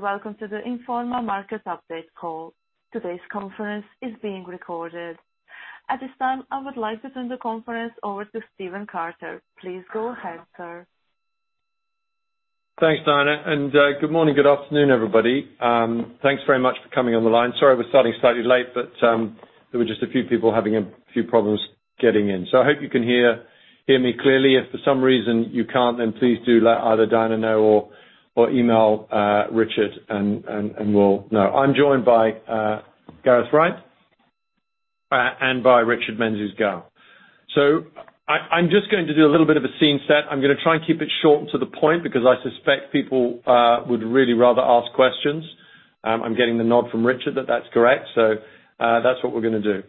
Welcome to the Informa Markets Update Call. Today's conference is being recorded. At this time, I would like to turn the conference over to Stephen Carter. Please go ahead, sir. Thanks, Donna. Good morning, good afternoon, everybody. Thanks very much for coming on the line. Sorry we're starting slightly late, but there were just a few people having a few problems getting in. I hope you can hear me clearly. If for some reason you can't, then please do let either Donna know or email Richard and we'll know. I'm joined by Gareth Wright and by Richard Menzies-Gow. I'm just going to do a little bit of a scene set. I'm gonna try and keep it short and to the point because I suspect people would really rather ask questions. I'm getting the nod from Richard that that's correct. That's what we're gonna do.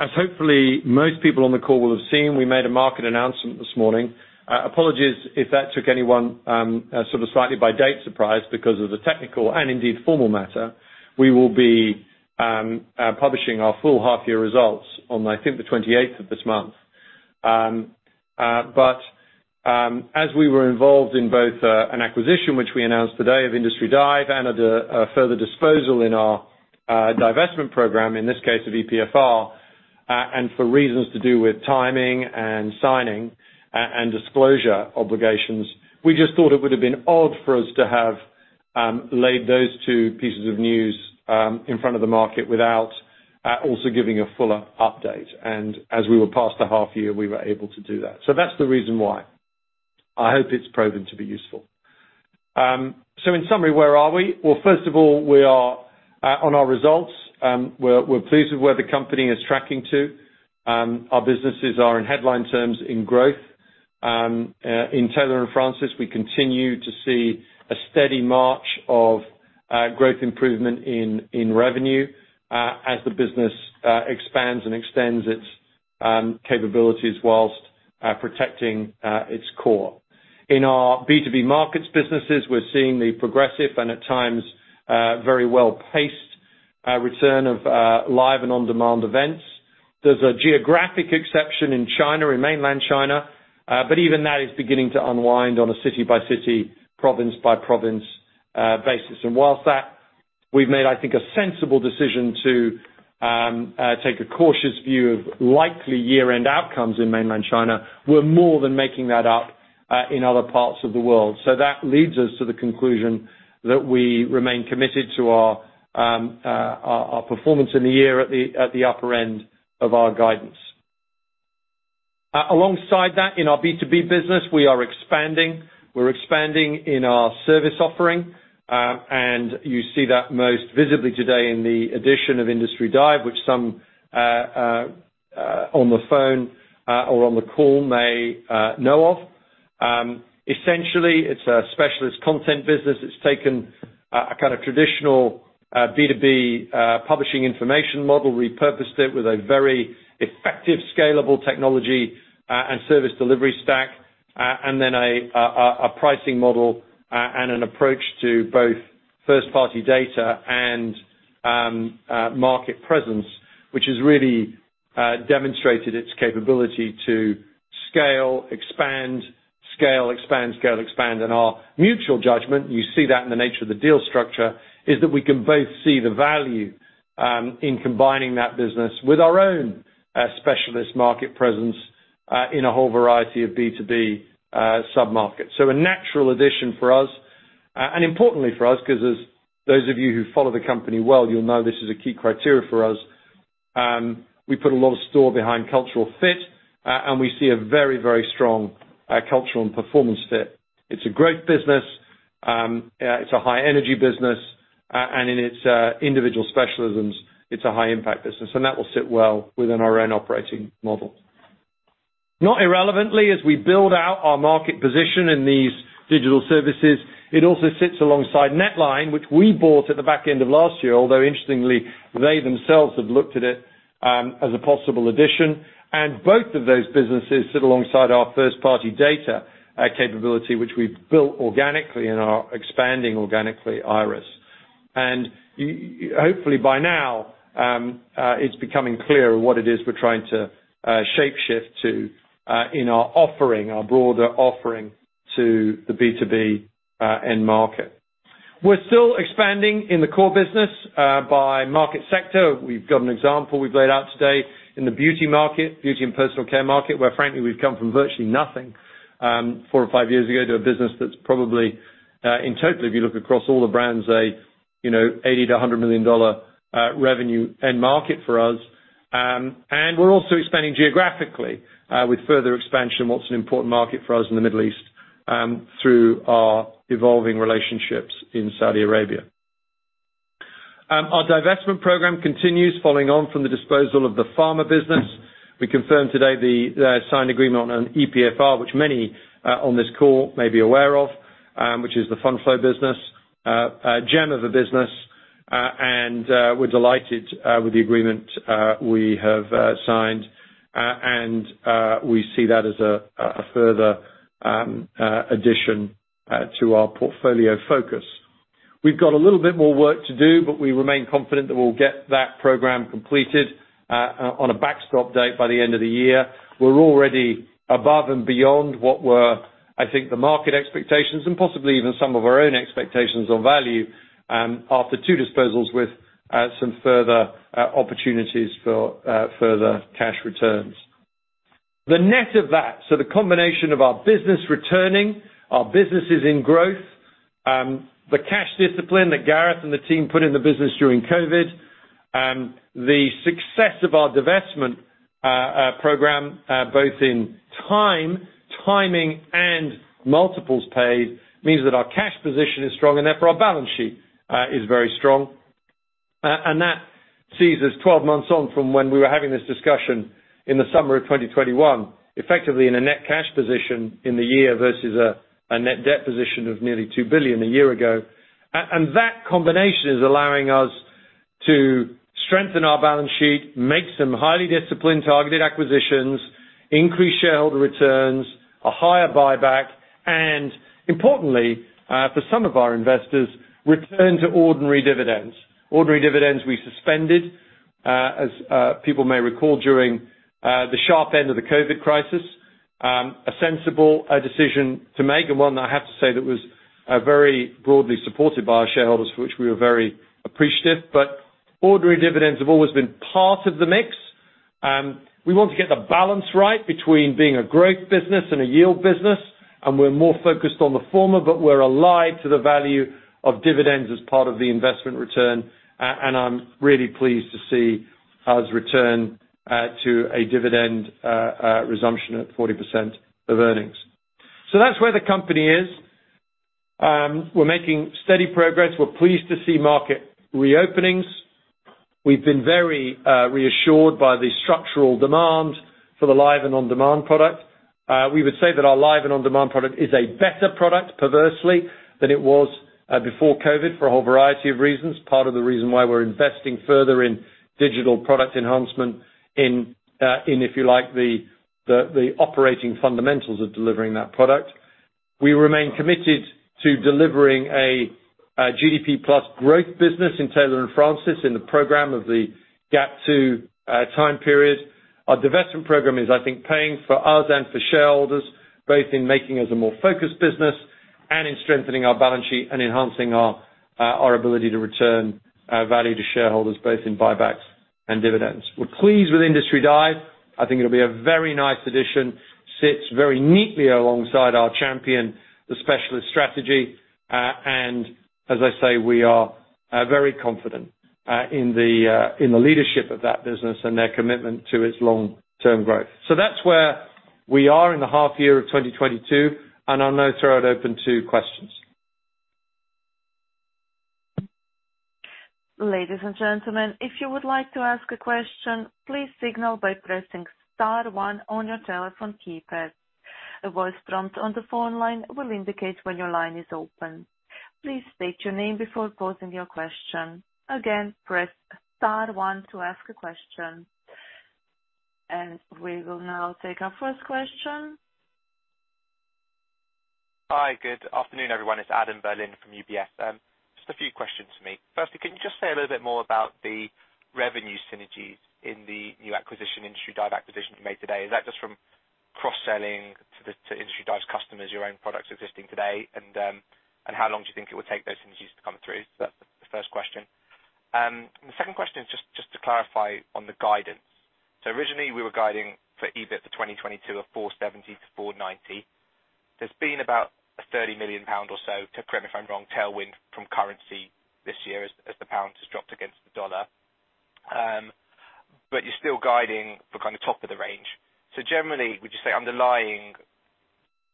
As hopefully most people on the call will have seen, we made a market announcement this morning. Apologies if that took anyone sort of slightly by surprise because of the technical and indeed formal matter. We will be publishing our full half year results on, I think, the 28th of this month. As we were involved in both an acquisition which we announced today of Industry Dive and of the further disposal in our divestment program, in this case of EPFR, and for reasons to do with timing and signing and disclosure obligations, we just thought it would have been odd for us to have laid those two pieces of news in front of the market without also giving a fuller update. As we were past the half year, we were able to do that. That's the reason why. I hope it's proven to be useful. In summary, where are we? Well, first of all, we are on our results. We're pleased with where the company is tracking to. Our businesses are in headline terms in growth. In Taylor & Francis, we continue to see a steady march of growth improvement in revenue as the business expands and extends its capabilities while protecting its core. In our B2B markets businesses, we're seeing the progressive and at times very well-paced return of live and on-demand events. There's a geographic exception in China, in mainland China, even that is beginning to unwind on a city-by-city, province-by-province basis. While that, we've made, I think, a sensible decision to take a cautious view of likely year-end outcomes in mainland China, we're more than making that up in other parts of the world. That leads us to the conclusion that we remain committed to our performance in the year at the upper end of our guidance. Alongside that, in our B2B business, we are expanding. We're expanding in our service offering, and you see that most visibly today in the addition of Industry Dive, which some on the phone or on the call may know of. Essentially, it's a specialist content business. It's taken a kind of traditional B2B publishing information model, repurposed it with a very effective scalable technology and service delivery stack, and then a pricing model and an approach to both first-party data and market presence, which has really demonstrated its capability to scale, expand, scale, expand, scale, expand. Our mutual judgment, you see that in the nature of the deal structure, is that we can both see the value in combining that business with our own specialist market presence in a whole variety of B2B sub-markets. A natural addition for us, and importantly for us, because as those of you who follow the company well, you'll know this is a key criteria for us. We put a lot of store behind cultural fit, and we see a very, very strong, cultural and performance fit. It's a great business. It's a high energy business, and in its, individual specialisms, it's a high impact business, and that will sit well within our own operating model. Not irrelevantly, as we build out our market position in these digital services, it also sits alongside NetLine, which we bought at the back end of last year, although interestingly, they themselves have looked at it as a possible addition. Both of those businesses sit alongside our first-party data, capability, which we've built organically and are expanding organically, IIRIS. Hopefully by now, it's becoming clear what it is we're trying to, shape shift to, in our offering, our broader offering to the B2B, end market. We're still expanding in the core business by market sector. We've got an example we've laid out today in the beauty market, beauty and personal care market, where frankly, we've come from virtually nothing, four or five years ago, to a business that's probably, in total, if you look across all the brands, a, you know, $80 million-$100 million-dollar revenue end market for us. We're also expanding geographically with further expansion in what's an important market for us in the Middle East through our evolving relationships in Saudi Arabia. Our divestment program continues following on from the disposal of the pharma business. We confirmed today the signed agreement on EPFR, which many on this call may be aware of, which is the fund flow business. A gem of a business, and we're delighted with the agreement we have signed, and we see that as a further addition to our portfolio focus. We've got a little bit more work to do, but we remain confident that we'll get that program completed on a backstop date by the end of the year. We're already above and beyond what were, I think, the market expectations and possibly even some of our own expectations on value after two disposals with some further opportunities for further cash returns. The net of that, the combination of our business returning, our businesses in growth, the cash discipline that Gareth and the team put in the business during COVID, the success of our divestment program, both in timing and multiples paid, means that our cash position is strong, and therefore our balance sheet is very strong. That sees us 12 months on from when we were having this discussion in the summer of 2021, effectively in a net cash position in the year versus a net debt position of nearly 2 billion a year ago. That combination is allowing us to strengthen our balance sheet, make some highly disciplined targeted acquisitions, increase shareholder returns, a higher buyback, and importantly, for some of our investors, return to ordinary dividends. Ordinary dividends we suspended, as people may recall, during the sharp end of the COVID crisis. A sensible decision to make, and one that I have to say that was very broadly supported by our shareholders, for which we were very appreciative. Ordinary dividends have always been part of the mix. We want to get the balance right between being a growth business and a yield business, and we're more focused on the former, but we're alive to the value of dividends as part of the investment return, and I'm really pleased to see us return to a dividend resumption at 40% of earnings. That's where the company is. We're making steady progress. We're pleased to see market reopenings. We've been very reassured by the structural demand for the live and on-demand product. We would say that our live and on-demand product is a better product, perversely, than it was before COVID for a whole variety of reasons. Part of the reason why we're investing further in digital product enhancement in, if you like, the operating fundamentals of delivering that product. We remain committed to delivering a GDP plus growth business in Taylor & Francis, in the program of the GAP 2 time period. Our divestment program is, I think, paying for us and for shareholders, both in making us a more focused business and in strengthening our balance sheet and enhancing our ability to return value to shareholders both in buybacks and dividends. We're pleased with Industry Dive. I think it'll be a very nice addition. Sits very neatly alongside our champion, the specialist strategy. As I say, we are very confident in the leadership of that business and their commitment to its long-term growth. That's where we are in the half year of 2022, and I'll now throw it open to questions. Ladies and gentlemen, if you would like to ask a question, please signal by pressing star one on your telephone keypad. A voice prompt on the phone line will indicate when your line is open. Please state your name before posing your question. Again, press star one to ask a question. We will now take our first question. Hi, good afternoon, everyone. It's Adam Berlin from UBS. Just a few questions for me. Firstly, can you just say a little bit more about the revenue synergies in the new acquisition, Industry Dive acquisition you made today? Is that just from cross-selling to Industry Dive's customers, your own products existing today? And how long do you think it would take those synergies to come through? That's the first question. The second question is just to clarify on the guidance. Originally, we were guiding for EBIT for 2022 of 470-490. There's been about 30 million pound or so, correct me if I'm wrong, tailwind from currency this year as the pound has dropped against the dollar. You're still guiding for kind of top of the range. Generally, would you say underlying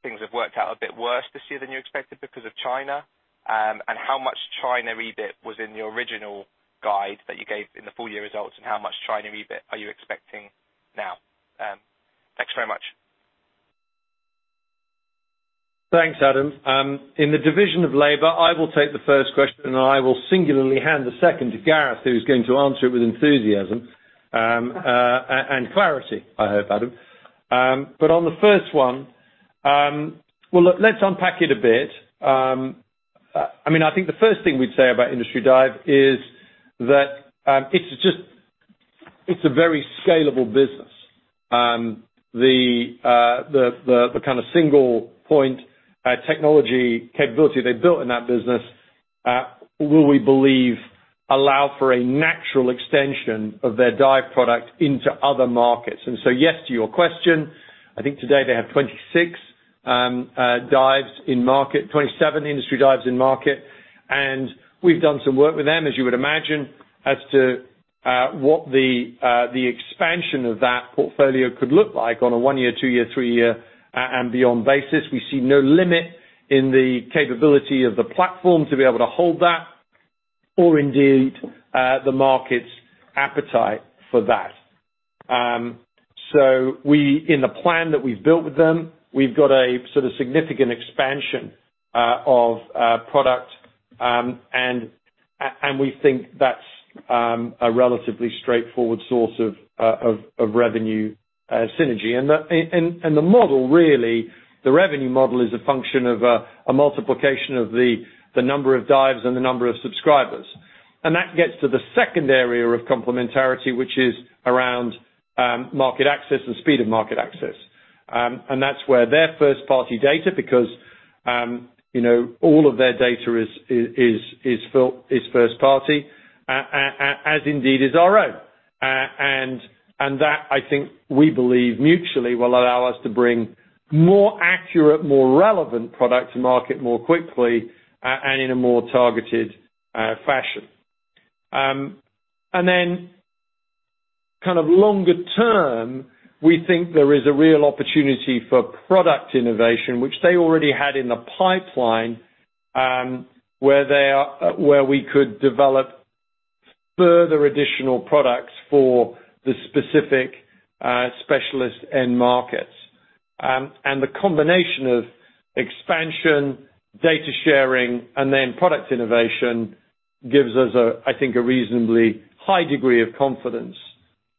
things have worked out a bit worse this year than you expected because of China? How much China EBIT was in the original guide that you gave in the full year results, and how much China EBIT are you expecting now? Thanks very much. Thanks, Adam. In the division of labor, I will take the first question, and I will singularly hand the second to Gareth, who's going to answer it with enthusiasm. And clarity, I hope, Adam. But on the first one, well, look, let's unpack it a bit. I mean, I think the first thing we'd say about Industry Dive is that, it's just, it's a very scalable business. The kind of single point technology capability they built in that business will, we believe, allow for a natural extension of their dive product into other markets. Yes to your question. I think today they have 26 dives in market, 27 Industry Dives in market. We've done some work with them, as you would imagine, as to what the expansion of that portfolio could look like on a one-year, two-year, three-year, and beyond basis. We see no limit in the capability of the platform to be able to hold that or indeed, the market's appetite for that. In the plan that we've built with them, we've got a sort of significant expansion of product. And we think that's a relatively straightforward source of revenue synergy. The model really, the revenue model is a function of a multiplication of the number of Dives and the number of subscribers. That gets to the second area of complementarity, which is around market access and speed of market access. That's where their first-party data, because you know, all of their data is first-party, as indeed is our own. That, I think we believe mutually will allow us to bring more accurate, more relevant product to market more quickly and in a more targeted fashion. Kind of longer term, we think there is a real opportunity for product innovation, which they already had in the pipeline, where we could develop further additional products for the specific specialist end markets. The combination of expansion, data sharing, and then product innovation gives us a, I think, a reasonably high degree of confidence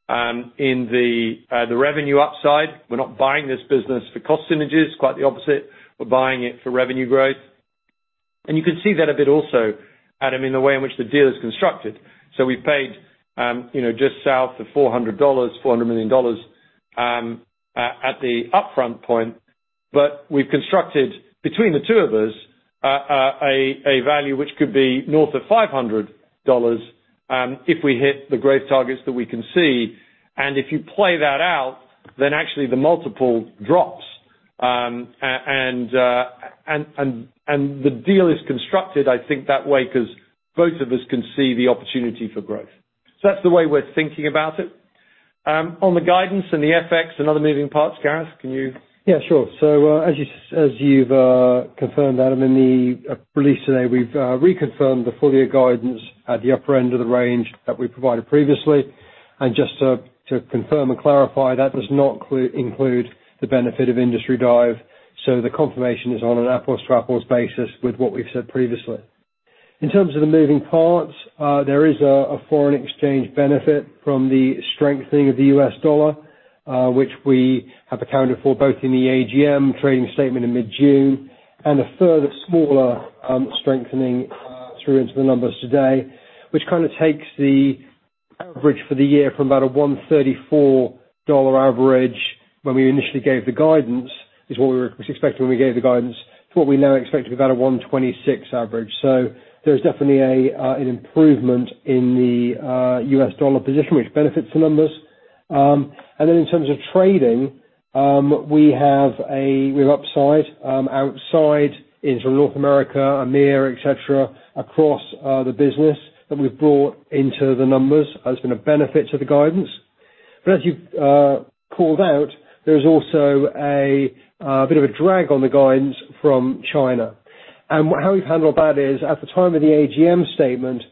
in the revenue upside. We're not buying this business for cost synergies, quite the opposite. We're buying it for revenue growth. You can see that a bit also, Adam, in the way in which the deal is constructed. We paid, you know, just south of $400 million at the upfront point. We've constructed between the two of us a value which could be north of $500 million if we hit the growth targets that we can see. If you play that out, then actually the multiple drops. And the deal is constructed, I think, that way 'cause both of us can see the opportunity for growth. That's the way we're thinking about it. On the guidance and the FX and other moving parts, Gareth, can you? Yeah, sure. As you've confirmed, Adam, in the release today, we've reconfirmed the full year guidance at the upper end of the range that we provided previously. Just to confirm and clarify, that does not include the benefit of Industry Dive. The confirmation is on an apples-to-apples basis with what we've said previously. In terms of the moving parts, there is a foreign exchange benefit from the strengthening of the US dollar, which we have accounted for both in the AGM trading statement in mid-June and a further smaller strengthening through into the numbers today, which kind of takes the average for the year from about a $134 average when we initially gave the guidance to what we now expect to be about a $126 average. So there's definitely an improvement in the US dollar position, which benefits the numbers. In terms of trading, we have upside outside in from North America, EMEA, et cetera, across the business that we've brought into the numbers has been a benefit to the guidance. As you've called out, there's also a bit of a drag on the guidance from China. How we've handled that is, at the time of the AGM statement,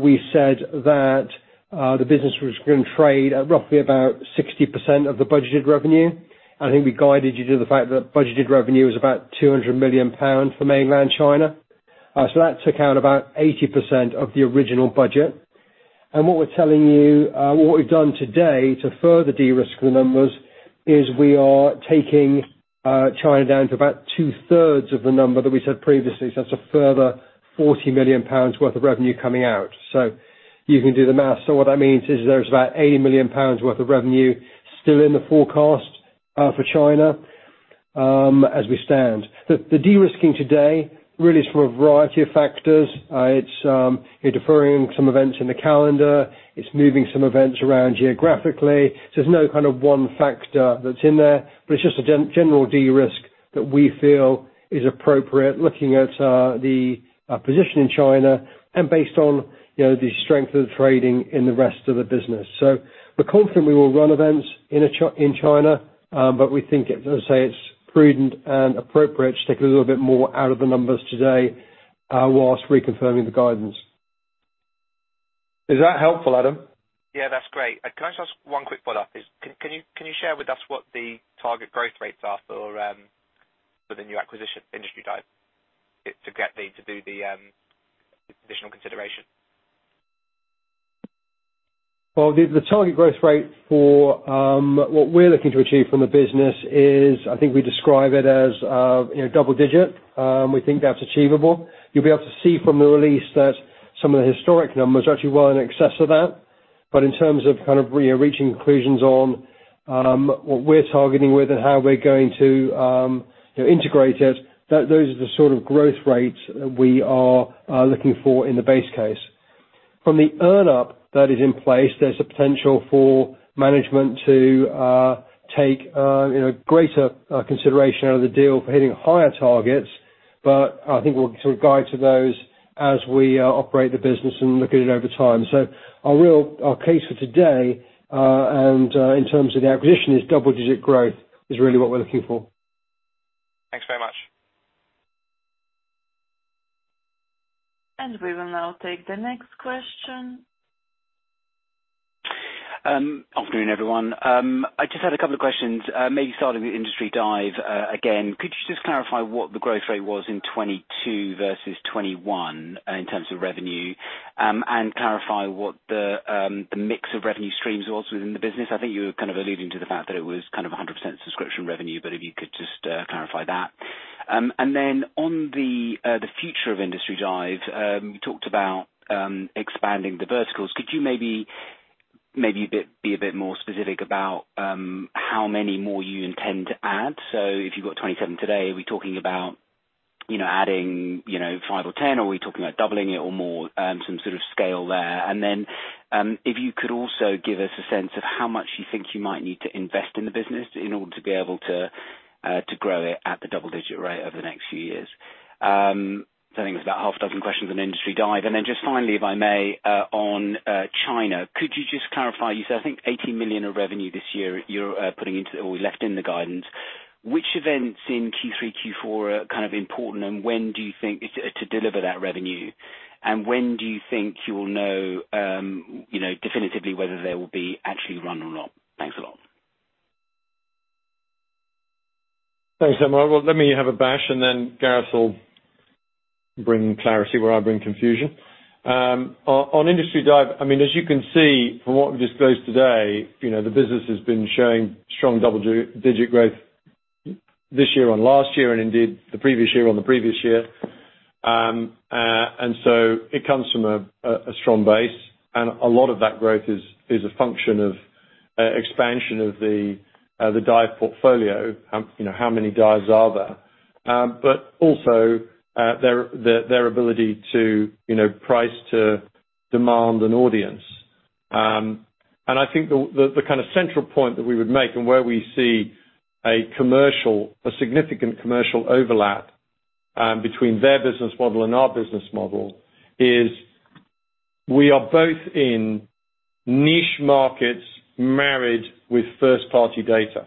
we said that the business was gonna trade at roughly about 60% of the budgeted revenue. I think we guided you to the fact that budgeted revenue is about 200 million pounds for Mainland China. So that took out about 80% of the original budget. What we've done today to further de-risk the numbers is we are taking China down to about 2/3 of the number that we said previously. That's a further 40 million pounds worth of revenue coming out. You can do the math. What that means is there's about 80 million pounds worth of revenue still in the forecast, for China, as we stand. The de-risking today really is from a variety of factors. It's deferring some events in the calendar, it's moving some events around geographically. There's no kind of one factor that's in there, but it's just a general de-risk that we feel is appropriate looking at, the position in China and based on, you know, the strength of the trading in the rest of the business. We're confident we will run events in China, but we think it, as I say, it's prudent and appropriate to take a little bit more out of the numbers today, while reconfirming the guidance. Is that helpful, Adam? Yeah, that's great. Can I just ask one quick follow-up? Can you share with us what the target growth rates are for the new acquisition Industry Dive to do the additional consideration? The target growth rate for what we're looking to achieve from the business is, I think we describe it as, you know, double digit. We think that's achievable. You'll be able to see from the release that some of the historic numbers actually were in excess of that. In terms of kind of reaching conclusions on what we're targeting with and how we're going to, you know, integrate it, those are the sort of growth rates that we are looking for in the base case. From the earnout that is in place, there's a potential for management to take, you know, greater consideration out of the deal for hitting higher targets. I think we'll sort of guide to those as we operate the business and look at it over time. Our case for today, and in terms of the acquisition, is double-digit growth is really what we're looking for. Thanks very much. We will now take the next question. Afternoon, everyone. I just had a couple of questions, maybe starting with Industry Dive, again. Could you just clarify what the growth rate was in 2022 versus 2021 in terms of revenue? And clarify what the mix of revenue streams was within the business. I think you were kind of alluding to the fact that it was kind of 100% subscription revenue, but if you could just clarify that. And then on the future of Industry Dive, you talked about expanding the verticals. Could you maybe be a bit more specific about how many more you intend to add? So if you've got 27 today, are we talking about, you know, adding, you know, five or 10? Are we talking about doubling it or more, some sort of scale there. If you could also give us a sense of how much you think you might need to invest in the business in order to be able to grow it at the double-digit rate over the next few years. I think it was about half a dozen questions on Industry Dive. Just finally, if I may, on China, could you just clarify, you said I think 80 million of revenue this year, you're putting into or left in the guidance. Which events in Q3, Q4 are kind of important and when do you think to deliver that revenue? When do you think you'll know, you know, definitively whether they will be actually run or not? Thanks a lot. Thanks. Well, let me have a bash and then Gareth will bring clarity where I bring confusion. On Industry Dive, I mean, as you can see from what we disclosed today, you know, the business has been showing strong double-digit growth this year on last year and indeed the previous year on the previous year. It comes from a strong base. A lot of that growth is a function of expansion of the Dive portfolio, you know, how many Dives are there. Their ability to price to demand an audience. I think the kind of central point that we would make and where we see a significant commercial overlap between their business model and our business model is we are both in niche markets married with first party data.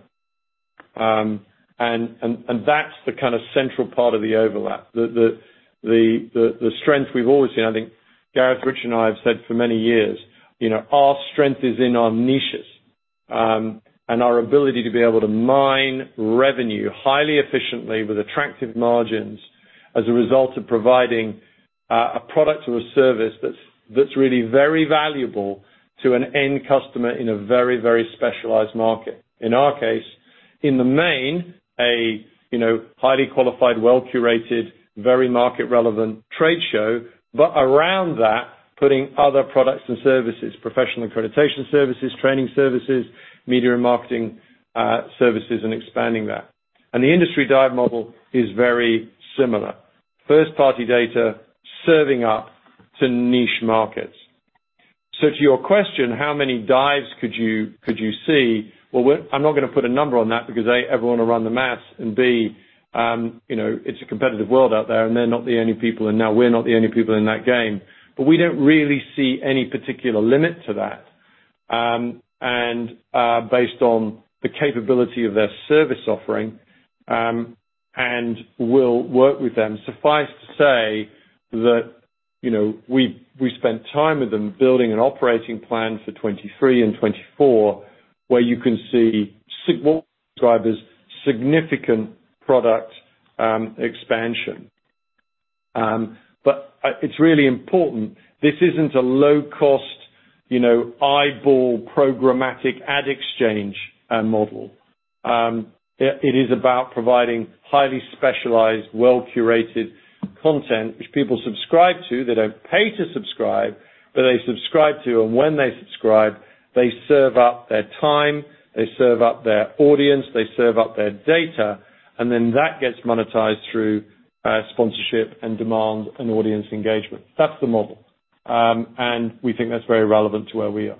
That's the kind of central part of the overlap. The strength we've always seen, I think Gareth, Rich and I have said for many years, you know, our strength is in our niches and our ability to be able to mine revenue highly efficiently with attractive margins as a result of providing a product or a service that's really very valuable to an end customer in a very specialized market. In our case, in the main, you know, highly qualified, well-curated, very market relevant trade show. Around that, putting other products and services, professional accreditation services, training services, media and marketing services, and expanding that. The Industry Dive model is very similar. First party data serving up to niche markets. To your question, how many Dives could you see? Well, I'm not gonna put a number on that because, A, everyone will run the math, and B, you know, it's a competitive world out there, and they're not the only people, and now we're not the only people in that game. We don't really see any particular limit to that, and based on the capability of their service offering, and we'll work with them. Suffice to say that, you know, we spent time with them building an operating plan for 2023 and 2024, where you can see significant product expansion. It's really important. This isn't a low cost, you know, eyeball programmatic ad exchange, model. It is about providing highly specialized, well-curated content which people subscribe to. They don't pay to subscribe, but they subscribe to. When they subscribe, they serve up their time, they serve up their audience, they serve up their data, and then that gets monetized through, sponsorship and demand and audience engagement. That's the model. We think that's very relevant to where we are.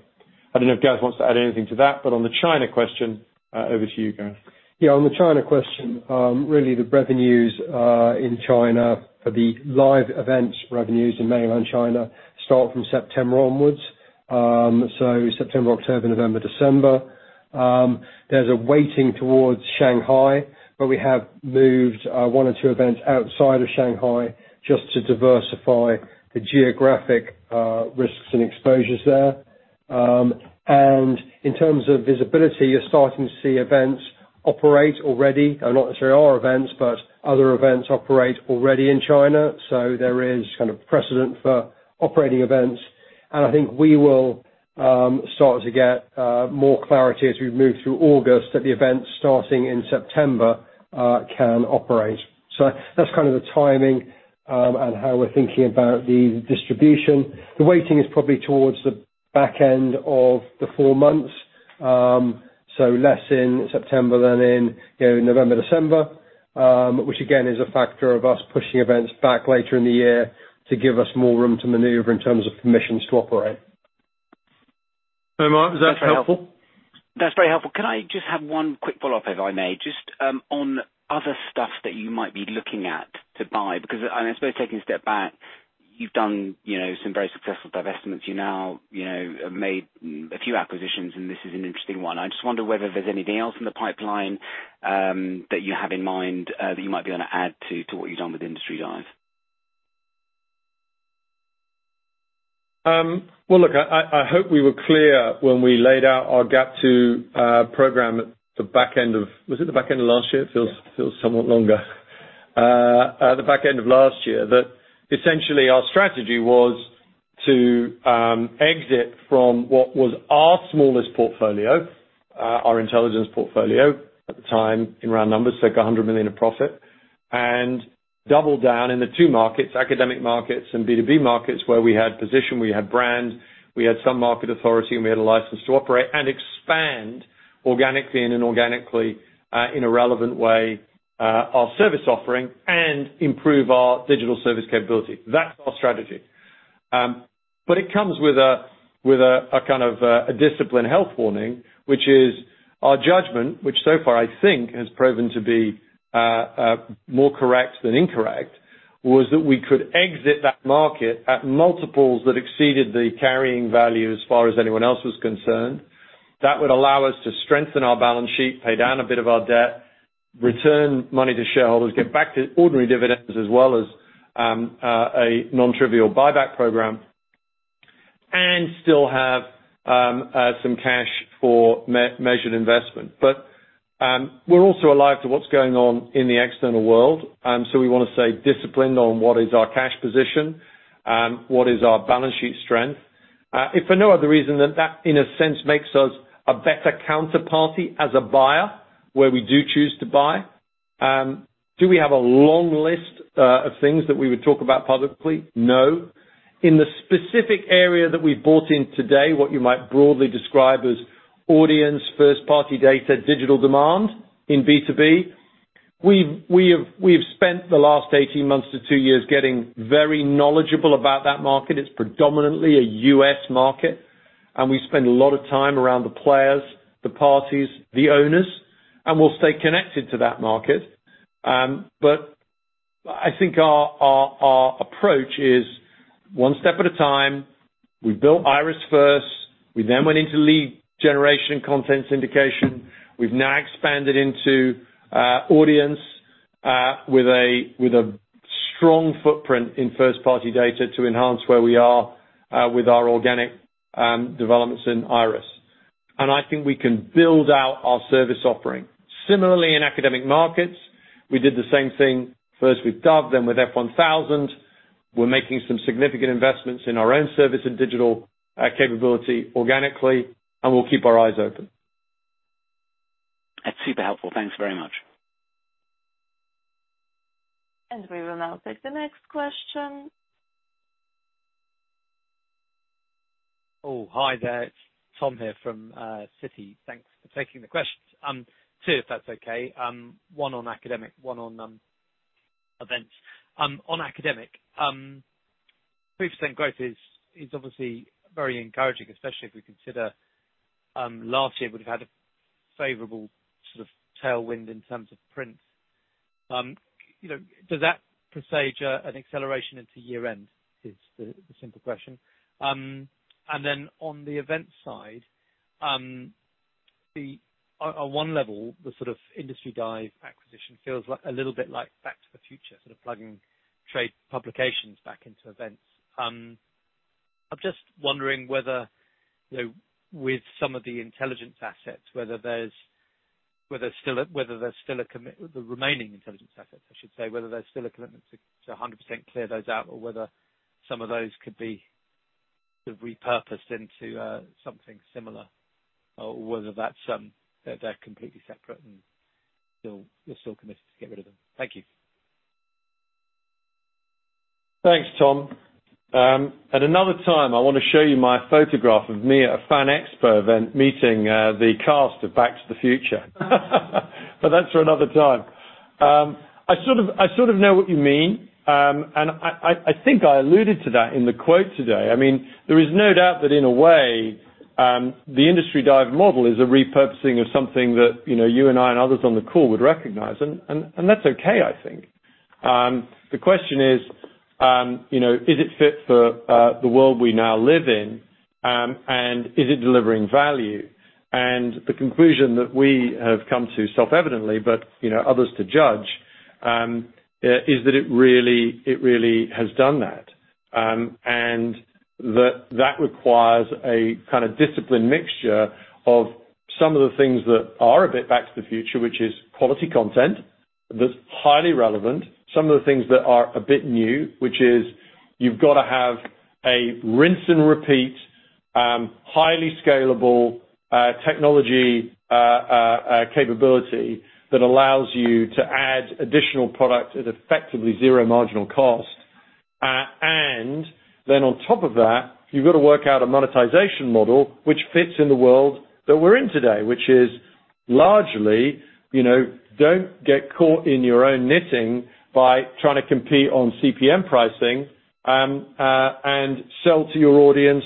I don't know if Gareth wants to add anything to that, but on the China question, over to you, Gareth. Yeah, on the China question, really the revenues in China for the live events revenues in mainland China start from September onwards. So September, October, November, December. There's a weighting towards Shanghai, but we have moved one or two events outside of Shanghai just to diversify the geographic risks and exposures there. In terms of visibility, you're starting to see events operate already. Now, not necessarily our events, but other events operate already in China, so there is kind of precedent for operating events. I think we will start to get more clarity as we move through August that the events starting in September can operate. So that's kind of the timing and how we're thinking about the distribution. The weighting is probably towards the back end of the four months. Less in September than in, you know, November, December, which again is a factor of us pushing events back later in the year to give us more room to maneuver in terms of permissions to operate. Hey, was that helpful? That's very helpful. Can I just have one quick follow-up, if I may? Just on other stuff that you might be looking at to buy, because, and I suppose taking a step back, you've done, you know, some very successful divestments. You now, you know, have made a few acquisitions, and this is an interesting one. I just wonder whether there's anything else in the pipeline that you have in mind that you might be able to add to what you've done with Industry Dive? Well, look, I hope we were clear when we laid out our GAP 2 program at the back end of last year, that essentially our strategy was to exit from what was our smallest portfolio, our intelligence portfolio at the time, in round numbers, took 100 million in profit and double down in the two markets, academic markets and B2B markets, where we had position, we had brand, we had some market authority, and we had a license to operate and expand organically and inorganically, in a relevant way, our service offering and improve our digital service capability. That's our strategy. It comes with a kind of disciplined health warning, which is our judgment, which so far, I think, has proven to be more correct than incorrect, was that we could exit that market at multiples that exceeded the carrying value as far as anyone else was concerned. That would allow us to strengthen our balance sheet, pay down a bit of our debt, return money to shareholders, get back to ordinary dividends, as well as a nontrivial buyback program, and still have some cash for measured investment. We're also alive to what's going on in the external world, so we want to stay disciplined on what is our cash position, what is our balance sheet strength. If for no other reason than that, in a sense, makes us a better counterparty as a buyer, where we do choose to buy. Do we have a long list of things that we would talk about publicly? No. In the specific area that we bought in today, what you might broadly describe as audience, first-party data, digital demand in B2B, we have spent the last 18 months to two years getting very knowledgeable about that market. It's predominantly a US market, and we spend a lot of time around the players, the parties, the owners, and we'll stay connected to that market. I think our approach is one step at a time. We built IIRIS first, we then went into lead generation content syndication. We've now expanded into audience with a strong footprint in first-party data to enhance where we are with our organic developments in IIRIS. I think we can build out our service offering. Similarly, in academic markets, we did the same thing first with Dove, then with F1000. We're making some significant investments in our own service and digital capability organically, and we'll keep our eyes open. That's super helpful. Thanks very much. We will now take the next question. Oh, hi there. It's Tom here from Citi. Thanks for taking the questions. Two, if that's okay. One on academic, one on events. On academic, 3% growth is obviously very encouraging, especially if we consider last year would have had a favorable sort of tailwind in terms of print. You know, does that presage an acceleration into year-end? That's the simple question. Then on the event side, on one level, the sort of Industry Dive acquisition feels like a little bit like Back to the Future, sort of plugging trade publications back into events. I'm just wondering whether, you know, with some of the intelligence assets, the remaining intelligence assets, I should say, whether there's still a commitment to 100% clear those out, or whether some of those could be sort of repurposed into something similar, or whether that's, they're completely separate and you're still committed to get rid of them. Thank you. Thanks, Tom. At another time, I wanna show you my photograph of me at a Fan Expo event meeting, the cast of Back to the Future. That's for another time. I sort of know what you mean. I think I alluded to that in the quote today. I mean, there is no doubt that in a way, the Industry Dive model is a repurposing of something that, you know, you and I and others on the call would recognize. And that's okay, I think. The question is, you know, is it fit for the world we now live in, and is it delivering value? The conclusion that we have come to self-evidently, but, you know, others to judge, is that it really has done that. That requires a kind of disciplined mixture of some of the things that are a bit back to the future, which is quality content that's highly relevant. Some of the things that are a bit new, which is you've got to have a rinse and repeat, highly scalable technology capability that allows you to add additional product at effectively zero marginal cost. Then on top of that, you've got to work out a monetization model which fits in the world that we're in today, which is largely, you know, don't get caught in your own knitting by trying to compete on CPM pricing and sell to your audience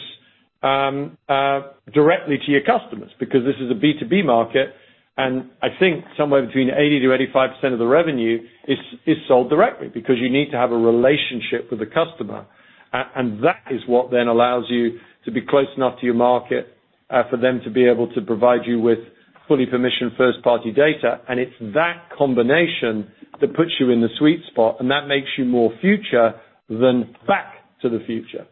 directly to your customers. Because this is a B2B market, and I think somewhere between 80%-85% of the revenue is sold directly because you need to have a relationship with the customer. And that is what then allows you to be close enough to your market for them to be able to provide you with fully permissioned first-party data. It's that combination that puts you in the sweet spot, and that makes you more future than Back to the Future.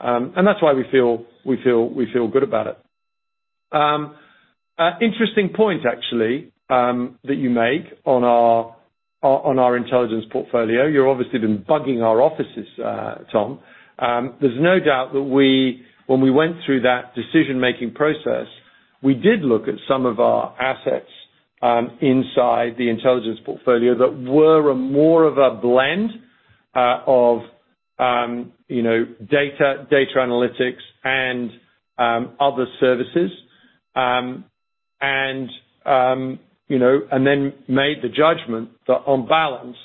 That's why we feel good about it. Interesting point actually that you made on our intelligence portfolio. You've obviously been bugging our offices, Tom. There's no doubt that when we went through that decision-making process, we did look at some of our assets inside the intelligence portfolio that were more of a blend of you know, data analytics and other services. You know, and then made the judgment that on balance,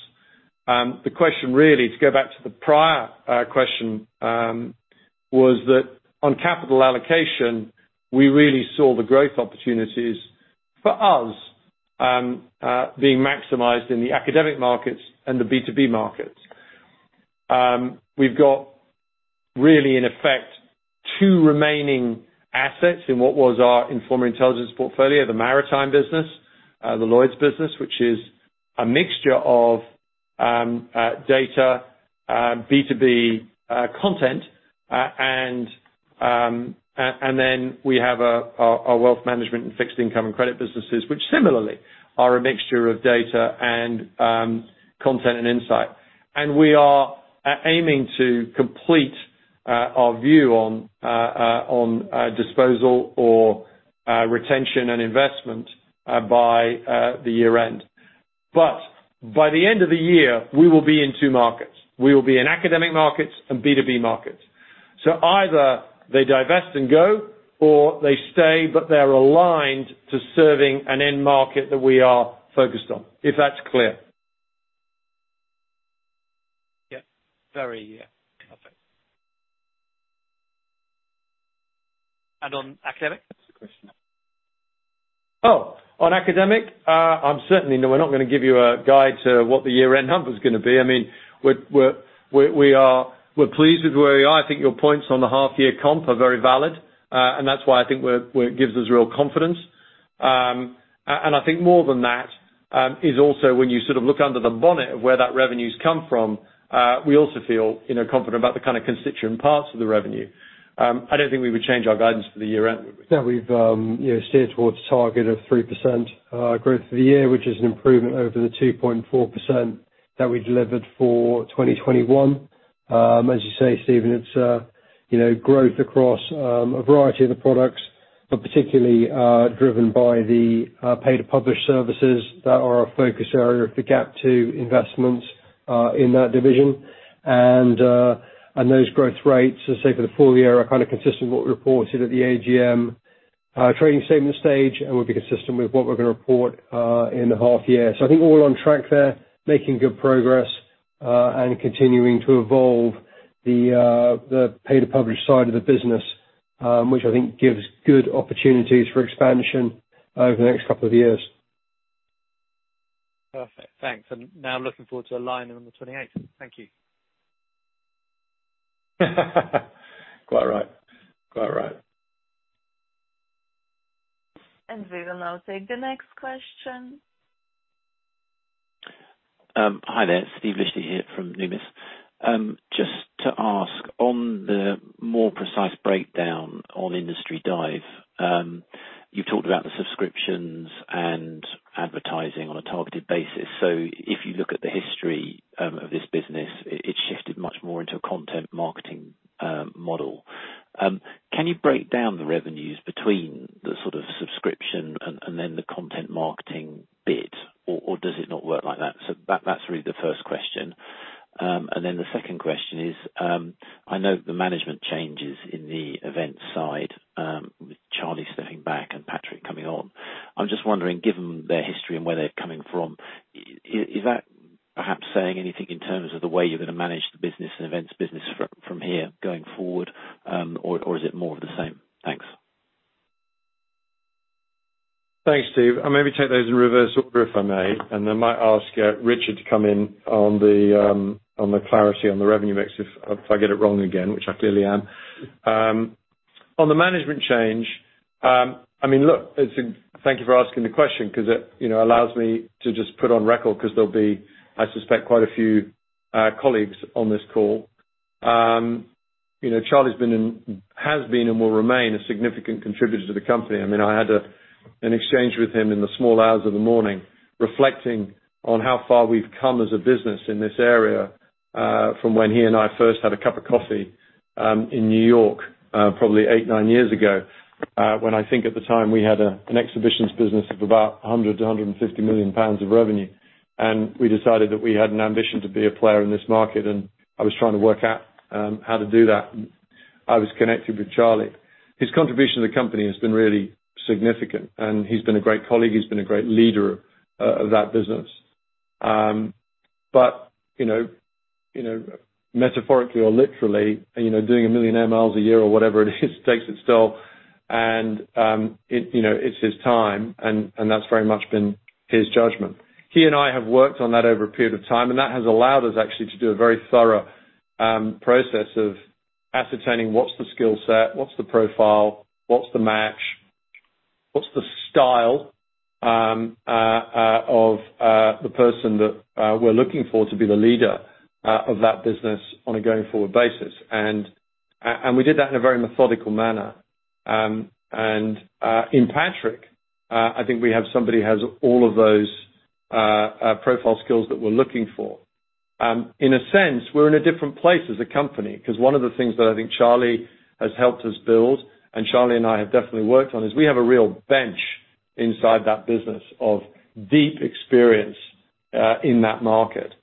the question really to go back to the prior question was that on capital allocation, we really saw the growth opportunities for us and being maximized in the academic markets and the B2B markets. We've got really in effect two remaining assets in what was our Informa Intelligence portfolio, the maritime business, the Lloyd's business, which is a mixture of data, B2B, content, and then we have our wealth management and fixed income and credit businesses, which similarly are a mixture of data, content and insight. We are aiming to complete our view on disposal or retention and investment by the year-end. By the end of the year, we will be in two markets. We will be in academic markets and B2B markets. Either they divest and go, or they stay, but they're aligned to serving an end market that we are focused on. If that's clear. Yeah. Very. Yeah. Perfect. On academic? Oh, on academic. No, we're not gonna give you a guide to what the year-end number is gonna be. I mean, we're pleased with where we are. I think your points on the half year comp are very valid, and that's why I think it gives us real confidence. I think more than that, is also when you sort of look under the bonnet of where that revenue's come from, we also feel, you know, confident about the kind of constituent parts of the revenue. I don't think we would change our guidance for the year-end. That we've you know steered towards a target of 3% growth for the year, which is an improvement over the 2.4% that we delivered for 2021. As you say, Stephen, it's you know growth across a variety of the products, but particularly driven by the pay-to-publish services that are our focus area of the GAP 2 investments in that division. Those growth rates, as I say, for the full year, are kind of consistent with what we reported at the AGM trading statement stage, and will be consistent with what we're gonna report in the half year. I think we're all on track there, making good progress, and continuing to evolve the pay-to-publish side of the business, which I think gives good opportunities for expansion over the next couple of years. Perfect. Thanks. Now looking forward to aligning on the 28th. Thank you. Quite right. Quite right. We will now take the next question. Hi there. Steven Liechti here from Numis. Just to ask on the more precise breakdown on Industry Dive, you talked about the subscriptions and advertising on a targeted basis. If you look at the history of this business, it shifted much more into a content marketing model. Can you break down the revenues between the sort of subscription and then the content marketing bit? Or does it not work like that? That's really the first question. And then the second question is, I know the management changes in the event side, with Charlie stepping back and Patrick coming on. I'm just wondering, given their history and where they're coming from, is that perhaps saying anything in terms of the way you're gonna manage the business and events business from here going forward? Is it more of the same? Thanks. Thanks, Steve. I'll maybe take those in reverse order, if I may, and I might ask Richard to come in on the clarity on the revenue mix if I get it wrong again, which I clearly am. On the management change, I mean, look, thank you for asking the question 'cause it, you know, allows me to just put on record because there'll be, I suspect, quite a few colleagues on this call. You know, Charlie has been and will remain a significant contributor to the company. I mean, I had an exchange with him in the small hours of the morning reflecting on how far we've come as a business in this area, from when he and I first had a cup of coffee, in New York, probably eight, nine years ago, when I think at the time we had an exhibitions business of about 100 million-150 million pounds of revenue. We decided that we had an ambition to be a player in this market, and I was trying to work out how to do that. I was connected with Charlie. His contribution to the company has been really significant, and he's been a great colleague. He's been a great leader of that business. You know, metaphorically or literally, you know, doing a million air miles a year or whatever it is takes its toll. You know, it's his time, and that's very much been his judgment. He and I have worked on that over a period of time, and that has allowed us actually to do a very thorough process of ascertaining what's the skill set, what's the profile, what's the match, what's the style, of the person that we're looking for to be the leader of that business on a going-forward basis. We did that in a very methodical manner. In Patrick, I think we have somebody who has all of those profile skills that we're looking for. In a sense, we're in a different place as a company because one of the things that I think Charlie has helped us build, and Charlie and I have definitely worked on, is we have a real bench inside that business of deep experience in that market.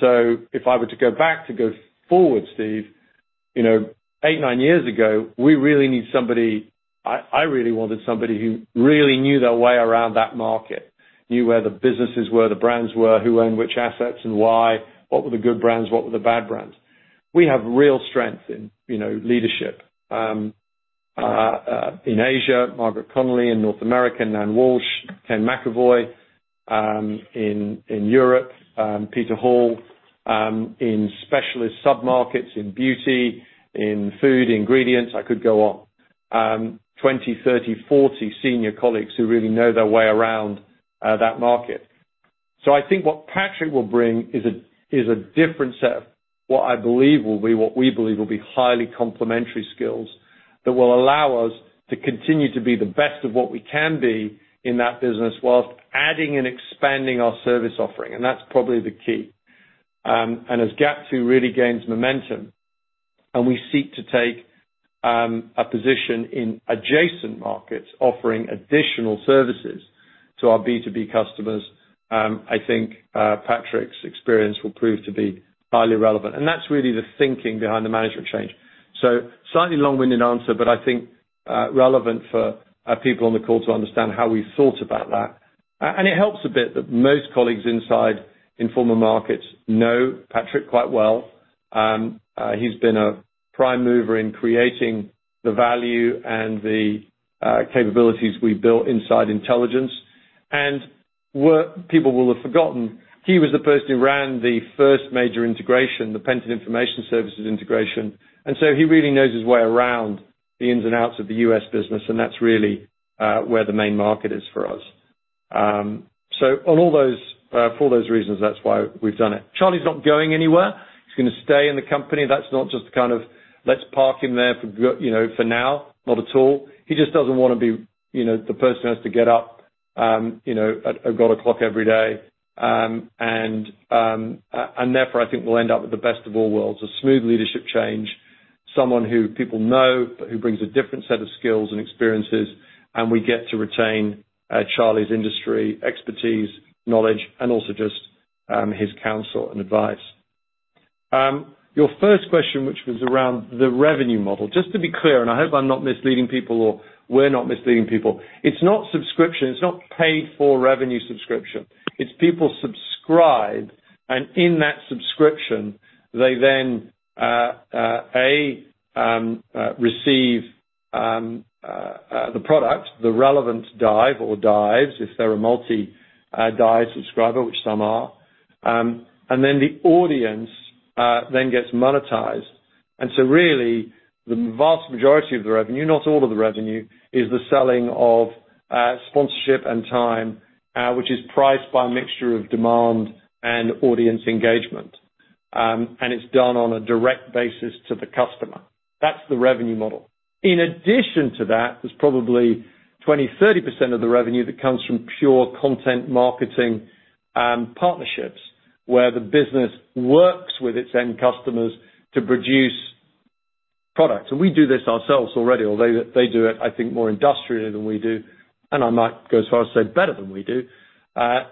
If I were to go back to go forward, Steve, you know, eight, nine years ago, we really need somebody. I really wanted somebody who really knew their way around that market, knew where the businesses were, the brands were, who owned which assets and why, what were the good brands, what were the bad brands. We have real strength in, you know, leadership in Asia, Margaret Connolly; in North America, Nancy Walsh; Ken McAvoy in Europe, Peter Hall. In specialist submarkets, in beauty, in food ingredients, I could go on. 20, 30, 40 senior colleagues who really know their way around that market. I think what Patrick will bring is a different set of what I believe will be, what we believe will be highly complementary skills that will allow us to continue to be the best of what we can be in that business while adding and expanding our service offering. That's probably the key. As GAP 2 really gains momentum, and we seek to take a position in adjacent markets offering additional services to our B2B customers, I think Patrick's experience will prove to be highly relevant. That's really the thinking behind the management change. Slightly long-winded answer, but I think relevant for people on the call to understand how we've thought about that. It helps a bit that most colleagues inside Informa Markets know Patrick quite well. He's been a prime mover in creating the value and the capabilities we built inside intelligence. What people will have forgotten, he was the person who ran the first major integration, the Penton Information Services integration. He really knows his way around the ins and outs of the U.S. business, and that's really where the main market is for us. For those reasons, that's why we've done it. Charlie's not going anywhere. He's gonna stay in the company. That's not just kind of, let's park him there you know, for now. Not at all. He just doesn't wanna be, you know, the person who has to get up, you know, at God o'clock every day. Therefore, I think we'll end up with the best of all worlds, a smooth leadership change, someone who people know, but who brings a different set of skills and experiences, and we get to retain Charlie's industry expertise, knowledge, and also just his counsel and advice. Your first question, which was around the revenue model. Just to be clear, and I hope I'm not misleading people or we're not misleading people, it's not subscription. It's not paid-for-revenue subscription. It's people subscribe, and in that subscription, they then receive the product, the relevant Dive or Dives, if they're a multi-Dive subscriber, which some are, and then the audience gets monetized. Really, the vast majority of the revenue, not all of the revenue, is the selling of sponsorship and time, which is priced by a mixture of demand and audience engagement. It's done on a direct basis to the customer. That's the revenue model. In addition to that, there's probably 20%-30% of the revenue that comes from pure content marketing and partnerships where the business works with its end customers to produce products. We do this ourselves already, although they do it, I think, more industrially than we do, and I might go so far as to say better than we do,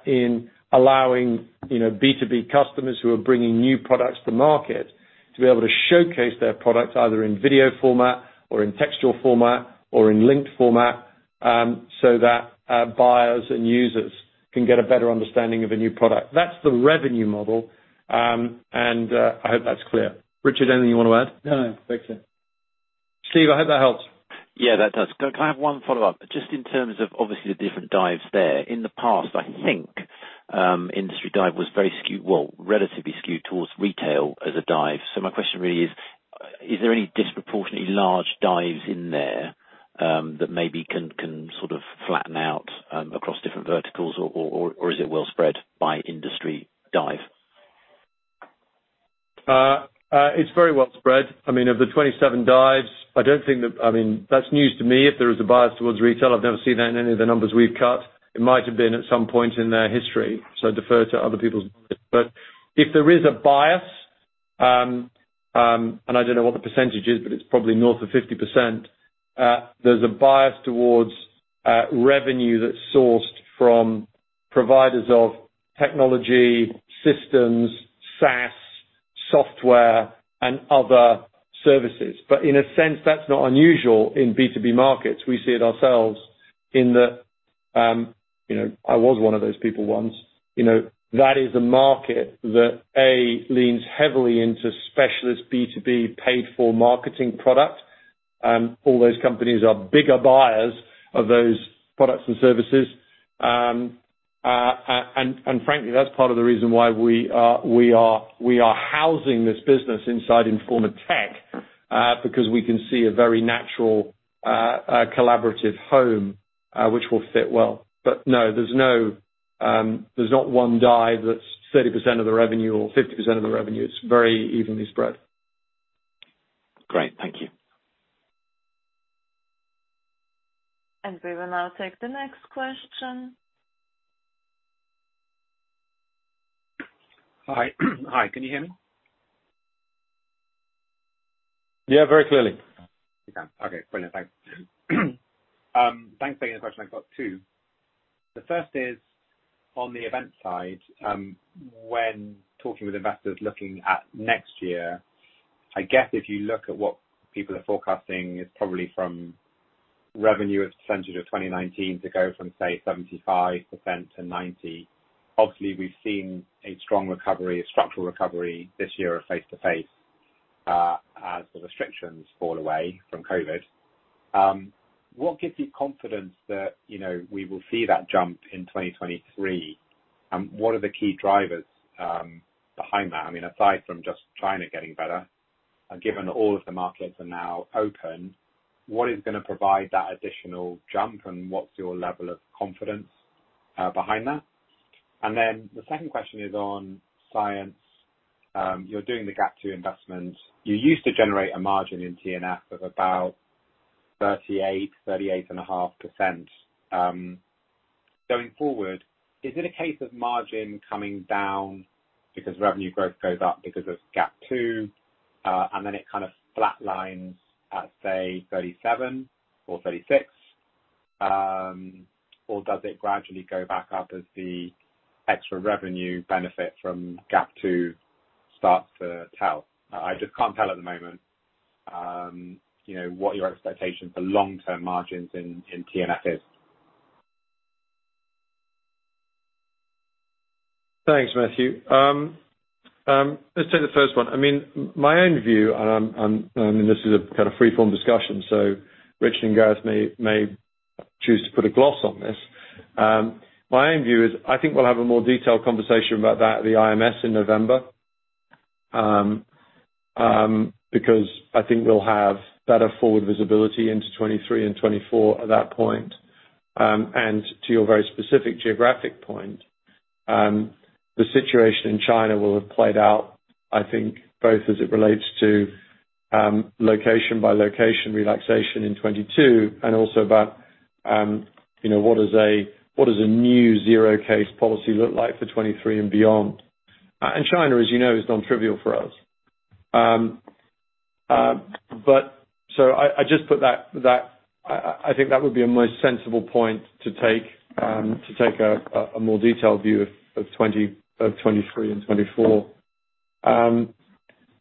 in allowing, you know, B2B customers who are bringing new products to market to be able to showcase their products either in video format or in textual format or in linked format, so that, buyers and users can get a better understanding of a new product. That's the revenue model, and, I hope that's clear. Richard, anything you wanna add? No. Makes sense. Steve, I hope that helps. Yeah, that does. Can I have one follow-up? Just in terms of obviously the different divs there. In the past, I think, Industry Dive was relatively skewed towards retail as a div. My question really is there any disproportionately large divs in there, that maybe can sort of flatten out, across different verticals or is it well spread by Industry Dive? It's very well spread. I mean, of the 27 dives, that's news to me. If there is a bias towards retail, I've never seen that in any of the numbers we've cut. It might have been at some point in their history, so I defer to other people's. If there is a bias, and I don't know what the percentage is, but it's probably north of 50%, there's a bias towards revenue that's sourced from providers of technology, systems, SaaS, software, and other services. In a sense, that's not unusual in B2B markets. We see it ourselves in the, you know, I was one of those people once. You know, that is a market that, a, leans heavily into specialist B2B paid-for marketing products. All those companies are bigger buyers of those products and services. Frankly, that's part of the reason why we are housing this business inside Informa Tech, because we can see a very natural collaborative home, which will fit well. No, there's no, there's not one Industry Dive that's 30% of the revenue or 50% of the revenue. It's very evenly spread. Great. Thank you. We will now take the next question. Hi. Hi. Can you hear me? Yeah, very clearly. You can. Okay, brilliant. Thanks. Thanks for taking the question. I've got two. The first is on the event side. When talking with investors looking at next year, I guess if you look at what people are forecasting is probably from revenue as a percentage of 2019 to go from, say, 75%-90%. Obviously, we've seen a strong recovery, a structural recovery this year of face-to-face, as the restrictions fall away from COVID. What gives you confidence that, you know, we will see that jump in 2023? What are the key drivers behind that? I mean, aside from just China getting better. Given all of the markets are now open, what is gonna provide that additional jump, and what's your level of confidence behind that? Then the second question is on science. You're doing the GAP 2 investment. You used to generate a margin in TNF of about 38-38.5%. Going forward, is it a case of margin coming down because revenue growth goes up because of GAP 2, and then it kind of flatlines at, say, 37% or 36%? Or does it gradually go back up as the extra revenue benefit from GAP 2 starts to tell? I just can't tell at the moment, you know, what your expectation for long-term margins in TNF is. Thanks, Matthew. Let's take the first one. I mean, my own view, and this is a kind of free-form discussion, so Richard and Gareth may choose to put a gloss on this. My own view is, I think we'll have a more detailed conversation about that at the CMD in November, because I think we'll have better forward visibility into 2023 and 2024 at that point. To your very specific geographic point, the situation in China will have played out, I think, both as it relates to location by location relaxation in 2022 and also about, you know, what is a new zero-COVID policy look like for 2023 and beyond. China, as you know, is non-trivial for us. I just put that I think that would be a most sensible point to take a more detailed view of 2023 and 2024.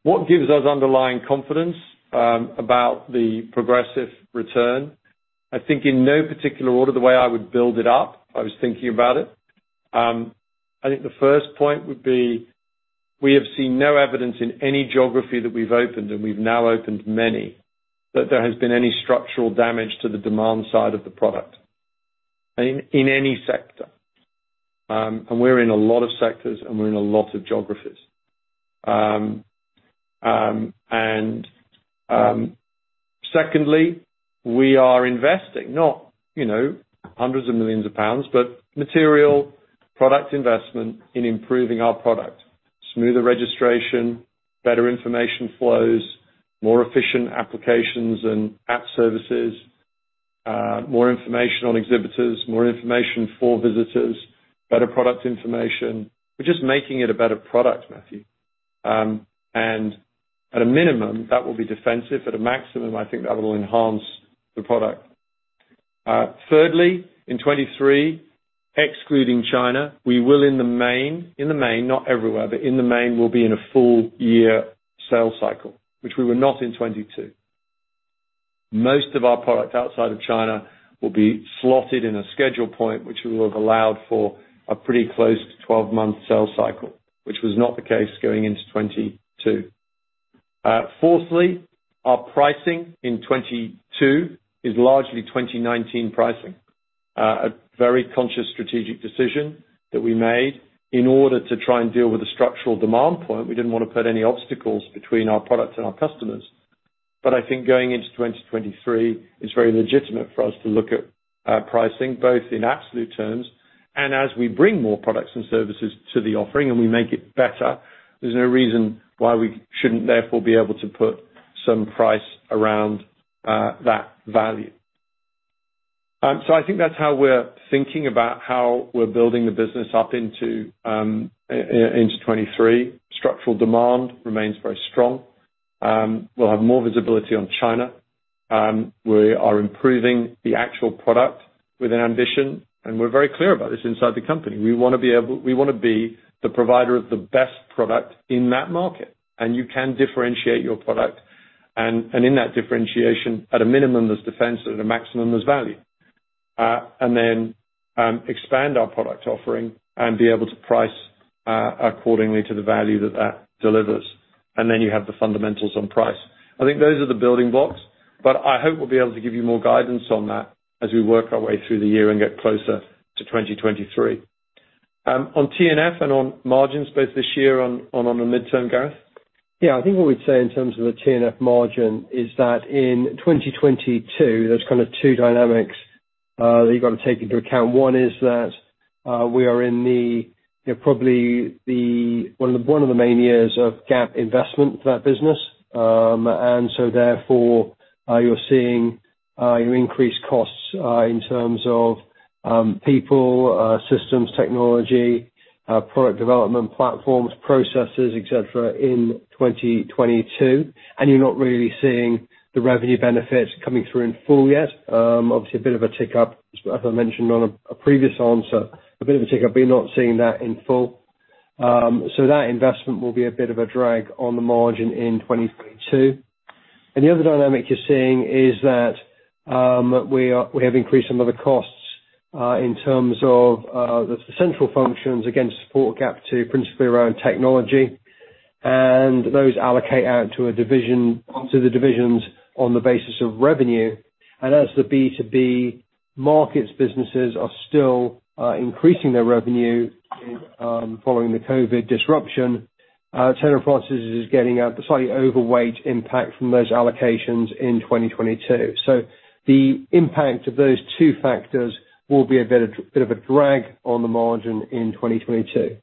What gives us underlying confidence about the progressive return? I think in no particular order, the way I would build it up, I was thinking about it. I think the first point would be, we have seen no evidence in any geography that we've opened, and we've now opened many, that there has been any structural damage to the demand side of the product. In any sector. We're in a lot of sectors, and we're in a lot of geographies. Secondly, we are investing not, you know, hundreds of millions of GBP, but material product investment in improving our product. Smoother registration, better information flows, more efficient applications and app services, more information on exhibitors, more information for visitors, better product information. We're just making it a better product, Matthew. At a minimum, that will be defensive. At a maximum, I think that will enhance the product. Thirdly, in 2023, excluding China, we will in the main, not everywhere, but in the main, we'll be in a full year sales cycle, which we were not in 2022. Most of our products outside of China will be slotted in a schedule point, which will have allowed for a pretty close to 12-month sales cycle, which was not the case going into 2022. Fourthly, our pricing in 2022 is largely 2019 pricing. A very conscious strategic decision that we made in order to try and deal with the structural demand point. We didn't wanna put any obstacles between our products and our customers. I think going into 2023, it's very legitimate for us to look at our pricing, both in absolute terms, and as we bring more products and services to the offering and we make it better, there's no reason why we shouldn't therefore be able to put some price around that value. I think that's how we're thinking about how we're building the business up into 2023. Structural demand remains very strong. We'll have more visibility on China. We are improving the actual product with an ambition, and we're very clear about this inside the company. We wanna be the provider of the best product in that market, and you can differentiate your product. In that differentiation, at a minimum, there's defense, at a maximum, there's value. Expand our product offering and be able to price accordingly to the value that that delivers, and then you have the fundamentals on price. I think those are the building blocks, but I hope we'll be able to give you more guidance on that as we work our way through the year and get closer to 2023. On TNF and on margins both this year on a midterm, Gareth? Yeah. I think what we'd say in terms of the TNF margin is that in 2022, there's kind of two dynamics that you've got to take into account. One is that we are in the, you know, probably one of the main years of GAP investment for that business. You're seeing your increased costs in terms of people, systems, technology, product development platforms, processes, et cetera, in 2022. You're not really seeing the revenue benefits coming through in full yet. Obviously a bit of a tick up, as I mentioned in a previous answer, but you're not seeing that in full. That investment will be a bit of a drag on the margin in 2022. The other dynamic you're seeing is that we have increased some of the costs in terms of the central functions to support GAP 2 principally around technology. Those allocate out to a division, to the divisions on the basis of revenue. As the B2B Markets businesses are still increasing their revenue following the COVID disruption, Taylor & Francis is getting a slightly overweight impact from those allocations in 2022. The impact of those two factors will be a bit of a drag on the margin in 2022.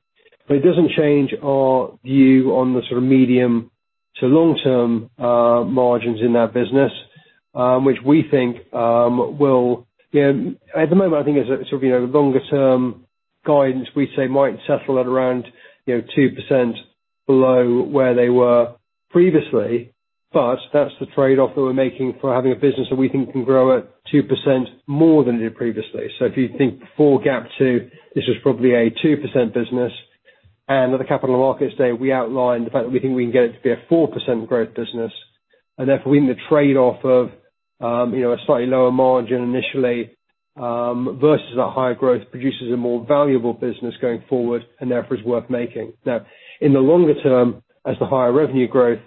It doesn't change our view on the sort of medium to long-term margins in that business, which we think will, you know, at the moment, I think as a sort of, you know, longer term guidance, we say might settle at around, you know, 2% below where they were previously. That's the trade-off that we're making for having a business that we think can grow at 2% more than it did previously. If you think before GAP 2, this was probably a 2% business. At the Capital Markets Day, we outlined the fact that we think we can get it to be a 4% growth business. Therefore we need the trade-off of, you know, a slightly lower margin initially, versus a higher growth produces a more valuable business going forward and therefore is worth making. Now, in the longer term, as the higher revenue growth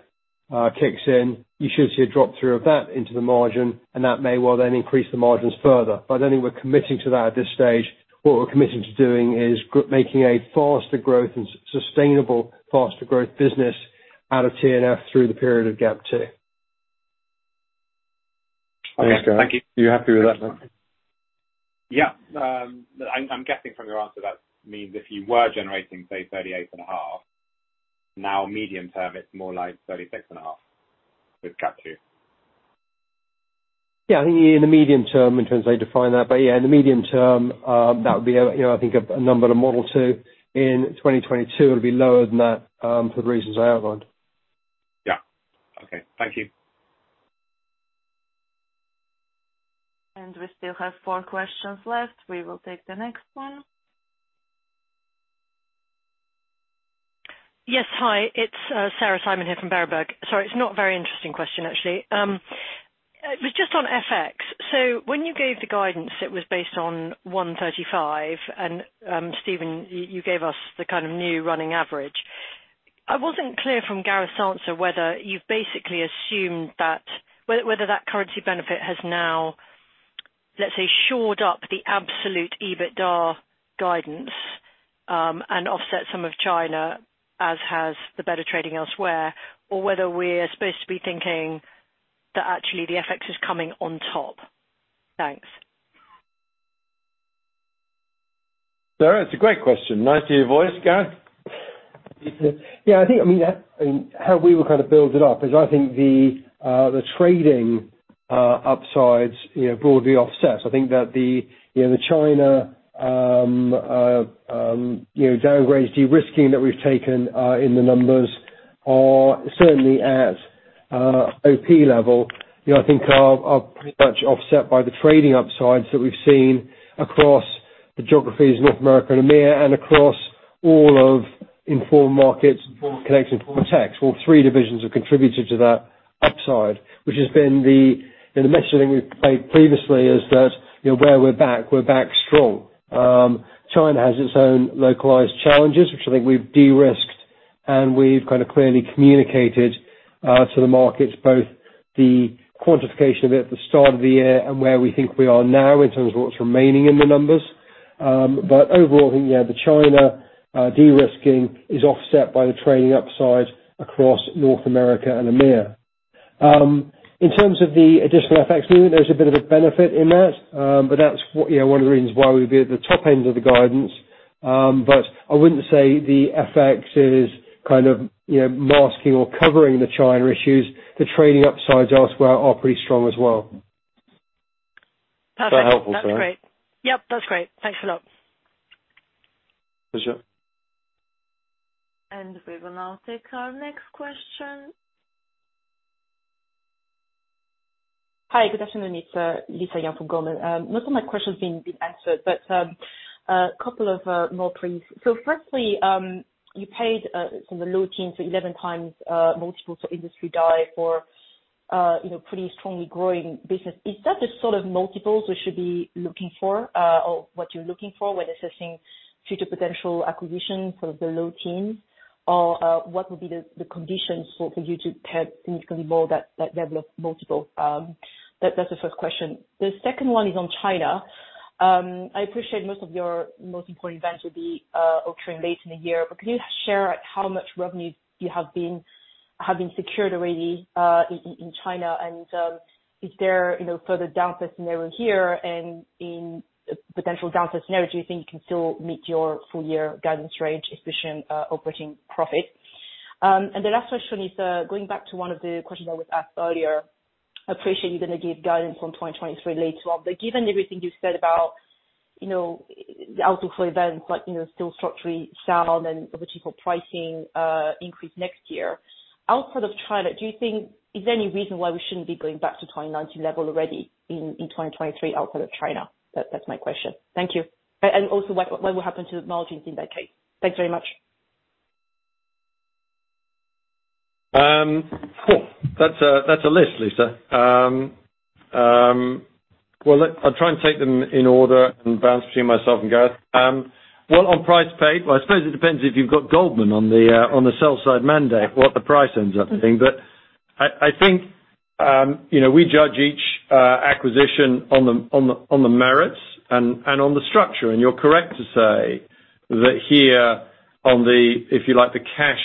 kicks in, you should see a drop through of that into the margin, and that may well then increase the margins further. I don't think we're committing to that at this stage. What we're committing to doing is making a faster growth and sustainable faster growth business out of TNF through the period of GAP 2. Thanks, Gareth. Thank you. You happy with that? Yeah. I'm guessing from your answer, that means if you were generating, say, 38.5%, now medium term, it's more like 36.5% with GAP 2. Yeah, I think in the medium term, in terms of how you define that, but yeah, in the medium term, that would be a, you know, I think a number to model to. In 2022, it'll be lower than that, for the reasons I outlined. Yeah. Okay. Thank you. We still have four questions left. We will take the next one. Yes. Hi, it's Sarah Simon here from Berenberg. Sorry, it's not very interesting question, actually. It was just on FX. When you gave the guidance, it was based on 1.35 and, Stephen, you gave us the kind of new running average. I wasn't clear from Gareth's answer whether you've basically assumed that, whether that currency benefit has now, let's say, shored up the absolute EBITDA guidance, and offset some of China, as has the better trading elsewhere, or whether we're supposed to be thinking that actually the FX is coming on top. Thanks. Sarah, it's a great question. Nice to hear your voice. Gareth? Yeah, I think, I mean, how we would kind of build it up is I think the trading upsides, you know, broadly offsets. I think that the, you know, the China downgrades, de-risking that we've taken in the numbers are certainly at OP level, you know, I think are pretty much offset by the trading upsides that we've seen across the geographies, North America and EMEA, and across all of Informa Markets, Informa Connect and Informa Tech. All three divisions have contributed to that upside, which has been the, you know, the messaging we've made previously is that, you know, where we're back, we're back strong. China has its own localized challenges, which I think we've de-risked, and we've kind of clearly communicated to the markets, both the quantification of it at the start of the year and where we think we are now in terms of what's remaining in the numbers. Overall, I think, yeah, the China de-risking is offset by the trading upside across North America and EMEIA. In terms of the additional FX unit, there's a bit of a benefit in that, but that's, you know, one of the reasons why we'd be at the top end of the guidance. I wouldn't say the FX is kind of, you know, masking or covering the China issues. The trading upsides elsewhere are pretty strong as well. Perfect. Is that helpful, Sarah? That's great. Yep, that's great. Thanks a lot. Pleasure. We will now take our next question. Hi, good afternoon, it's Lisa Yang from Goldman Sachs. Most of my question's been answered, but a couple of more queries. Firstly, you paid from the low teens to 11x multiple to Industry Dive for, you know, pretty strongly growing business. Is that the sort of multiples we should be looking for or what you're looking for when assessing future potential acquisitions in the low teens? Or what would be the conditions for you to pay significantly more than that level of multiple? That's the first question. The second one is on China. I appreciate most of your most important events will be occurring late in the year. Can you share, like, how much revenue you have been secured already in China? Is there, you know, a further downside scenario here? And in a potential downside scenario, do you think you can still meet your full year guidance range, especially in operating profit? The last question is, going back to one of the questions that was asked earlier, I appreciate you're gonna give guidance on 2023 later on. But given everything you've said about, you know, the outlook for events, like, you know, still structurally sound and the potential pricing increase next year. Outside of China, do you think is there any reason why we shouldn't be going back to 2019 levels already in 2023 outside of China? That's my question. Thank you. Also, what will happen to the margins in that case? Thanks very much. That's a list, Lisa. Well, I'll try and take them in order and bounce between myself and Gareth. Well, on price paid, I suppose it depends if you've got Goldman on the sell side mandate, what the price ends up being. I think, you know, we judge each acquisition on the merits and on the structure. You're correct to say that here on the, if you like, the cash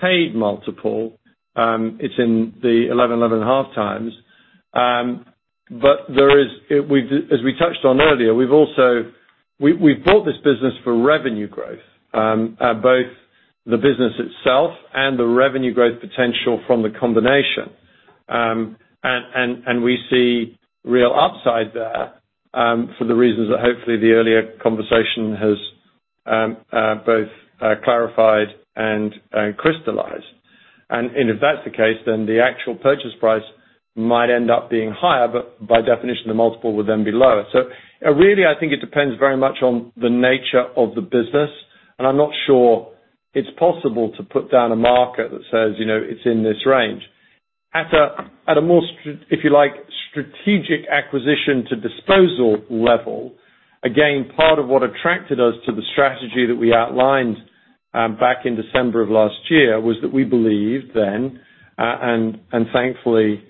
paid multiple, it's in the 11-11.5x. As we touched on earlier, we've bought this business for revenue growth, both the business itself and the revenue growth potential from the combination. We see real upside there for the reasons that hopefully the earlier conversation has both clarified and crystallized. If that's the case, then the actual purchase price might end up being higher, but by definition, the multiple would then be lower. Really, I think it depends very much on the nature of the business, and I'm not sure it's possible to put down a marker that says, you know, it's in this range. At a more if you like, strategic acquisition to disposal level, again, part of what attracted us to the strategy that we outlined back in December of last year was that we believed then, and thankfully,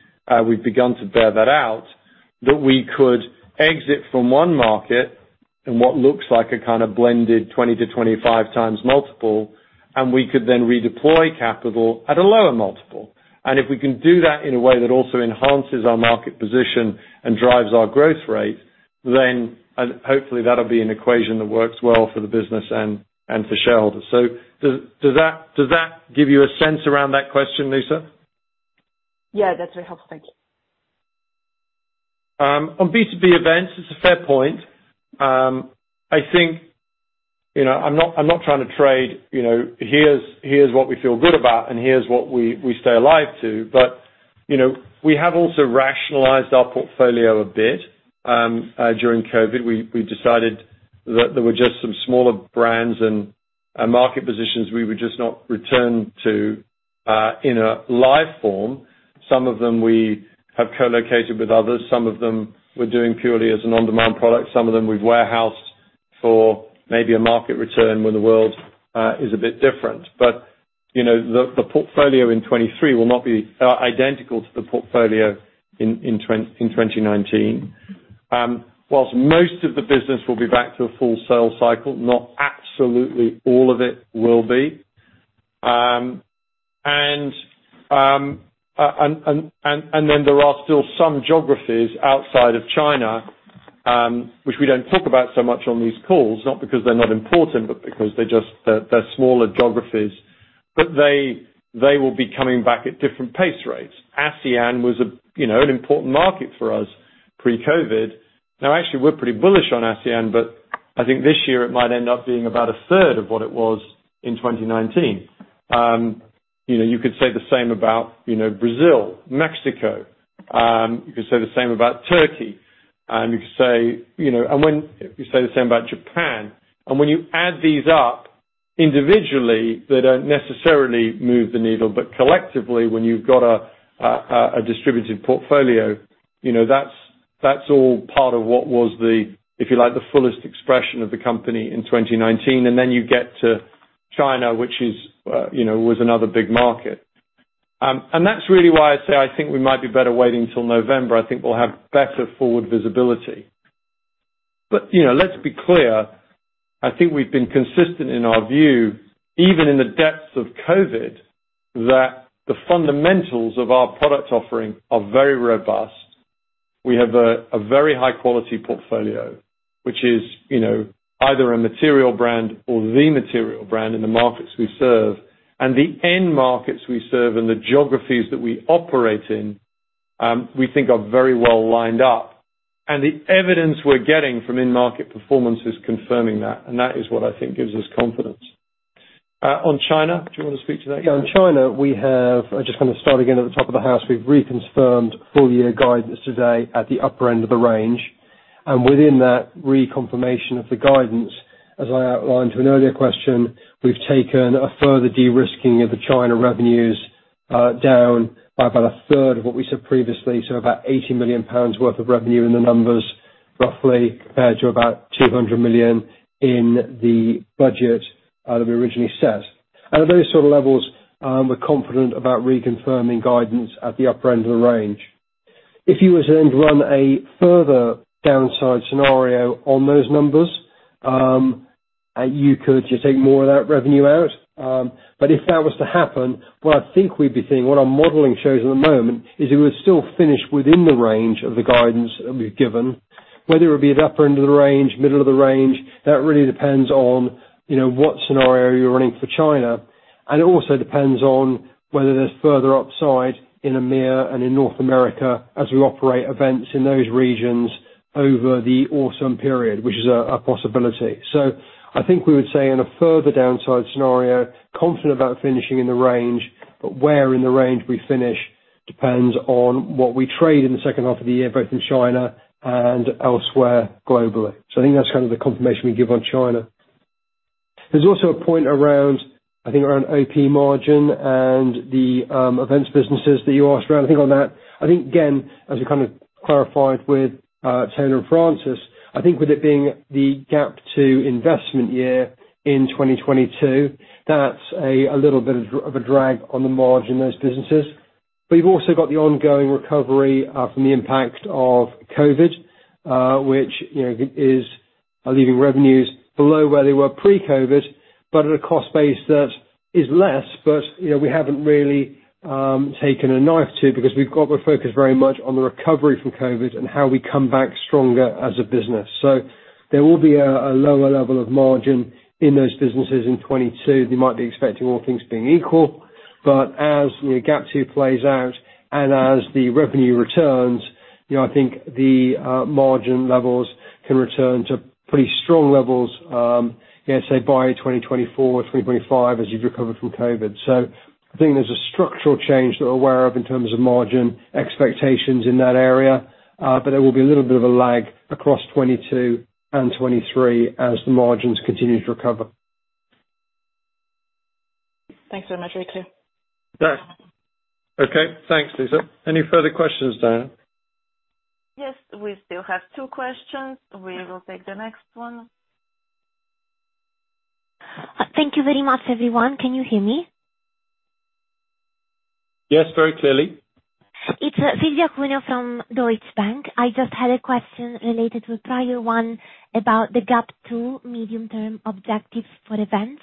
we've begun to bear that out, that we could exit from one market in what looks like a kind of blended 20x-25x multiple, and we could then redeploy capital at a lower multiple. If we can do that in a way that also enhances our market position and drives our growth rate, then hopefully that'll be an equation that works well for the business and for shareholders. Does that give you a sense around that question, Lisa? Yeah, that's very helpful. Thank you. On B2B events, it's a fair point. I think, you know, I'm not trying to trade, you know, here's what we feel good about and here's what we stay alive to. You know, we have also rationalized our portfolio a bit during COVID. We decided that there were just some smaller brands and market positions we would just not return to in a live form. Some of them we have co-located with others, some of them we're doing purely as an on-demand product, some of them we've warehoused for maybe a market return when the world is a bit different. You know, the portfolio in 2023 will not be identical to the portfolio in 2019. While most of the business will be back to a full sales cycle, not absolutely all of it will be. There are still some geographies outside of China, which we don't talk about so much on these calls, not because they're not important, but because they're just smaller geographies, but they will be coming back at different pace rates. ASEAN was, you know, an important market for us pre-COVID. Now, actually, we're pretty bullish on ASEAN, but I think this year it might end up being about a third of what it was in 2019. You know, you could say the same about, you know, Brazil, Mexico. You could say the same about Turkey. You could say the same about Japan. When you add these up individually, they don't necessarily move the needle. Collectively, when you've got a distributed portfolio, you know, that's all part of what was the, if you like, the fullest expression of the company in 2019. Then you get to China, which is, you know, was another big market. That's really why I say I think we might be better waiting till November. I think we'll have better forward visibility. You know, let's be clear, I think we've been consistent in our view, even in the depths of COVID, that the fundamentals of our product offering are very robust. We have a very high quality portfolio, which is, you know, either a material brand or the material brand in the markets we serve. The end markets we serve and the geographies that we operate in, we think are very well lined up. The evidence we're getting from in-market performance is confirming that, and that is what I think gives us confidence. On China, do you want to speak to that? I'm just gonna start again at the top of the house. We've reconfirmed full year guidance today at the upper end of the range. Within that reconfirmation of the guidance, as I outlined to an earlier question, we've taken a further de-risking of the China revenues down by about a third of what we said previously. About 80 million pounds worth of revenue in the numbers, roughly compared to about 200 million in the budget that we originally set. At those sort of levels, we're confident about reconfirming guidance at the upper end of the range. If you were to then run a further downside scenario on those numbers, you could just take more of that revenue out. If that was to happen, what I think we'd be seeing, what our modeling shows at the moment, is it would still finish within the range of the guidance that we've given, whether it be at the upper end of the range, middle of the range, that really depends on, you know, what scenario you're running for China. It also depends on whether there's further upside in EMEIA and in North America as we operate events in those regions over the autumn period, which is a possibility. I think we would say in a further downside scenario, confident about finishing in the range, but where in the range we finish depends on what we trade in the second half of the year, both in China and elsewhere globally. I think that's kind of the confirmation we give on China. There's also a point around OP margin and the events businesses that you asked about. I think on that, I think again, as we kind of clarified with Taylor & Francis, I think with it being the GAP 2 investment year in 2022, that's a little bit of a drag on the margin, those businesses. You've also got the ongoing recovery from the impact of COVID, which, you know, is leaving revenues below where they were pre-COVID, but at a cost base that is less. You know, we haven't really taken a knife to because we've got to focus very much on the recovery from COVID and how we come back stronger as a business. There will be a lower level of margin in those businesses in 2022 than you might be expecting all things being equal. As you know, GAP 2 plays out and as the revenue returns, you know, I think the margin levels can return to pretty strong levels, you know, say by 2024, 2025 as you recover from COVID. I think there's a structural change that we're aware of in terms of margin expectations in that area, but there will be a little bit of a lag across 2022 and 2023 as the margins continue to recover. Thanks very much, Richard. Okay. Thanks, Lisa. Any further questions, Diana? Yes, we still have two questions. We will take the next one. Thank you very much, everyone. Can you hear me? Yes, very clearly. It's Silvia Cuneo from Deutsche Bank. I just had a question related to a prior one about the GAP 2 medium-term objective for events.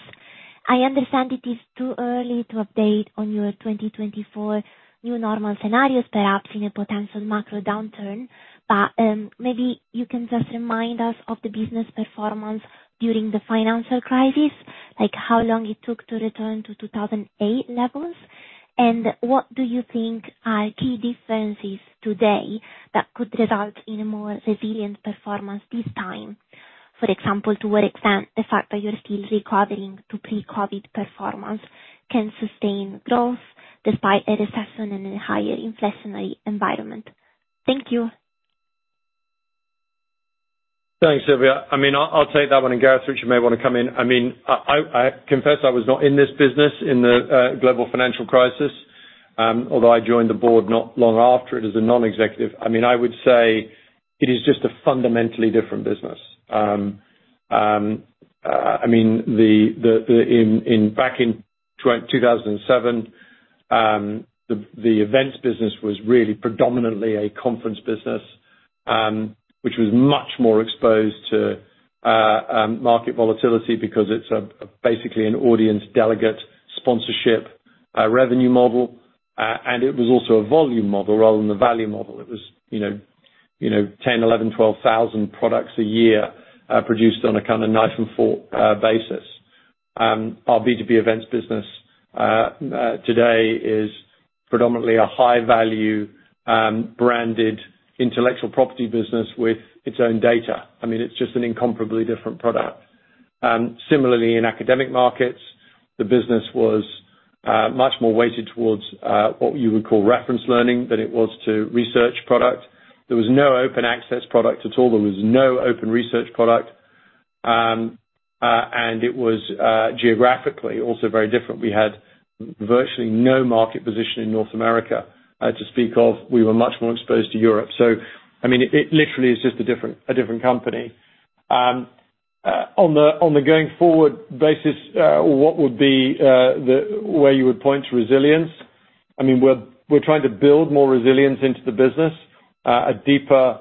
I understand it is too early to update on your 2024 new normal scenarios, perhaps in a potential macro downturn. Maybe you can just remind us of the business performance during the financial crisis, like how long it took to return to 2008 levels? What do you think are key differences today that could result in a more resilient performance this time? For example, to what extent the fact that you're still recovering to pre-COVID performance can sustain growth despite a recession in a higher inflationary environment. Thank you. Thanks, Silvia. I mean, I'll take that one and Gareth, you may wanna come in. I mean, I confess I was not in this business in the global financial crisis, although I joined the board not long after it as a non-executive. I mean, I would say it is just a fundamentally different business. I mean, back in 2007, the events business was really predominantly a conference business, which was much more exposed to market volatility because it's basically an audience delegate sponsorship revenue model. It was also a volume model rather than the value model. It was, you know, 10, 11, 12 thousand products a year, produced on a kind of knife and fork basis. Our B2B events business today is predominantly a high value branded intellectual property business with its own data. I mean, it's just an incomparably different product. Similarly in academic markets, the business was much more weighted towards what you would call reference learning than it was to research product. There was no open access product at all. There was no open research product. It was geographically also very different. We had virtually no market position in North America to speak of. We were much more exposed to Europe. I mean, it literally is just a different company. On the going forward basis, what would be the... Where you would point to resilience, I mean, we're trying to build more resilience into the business, a deeper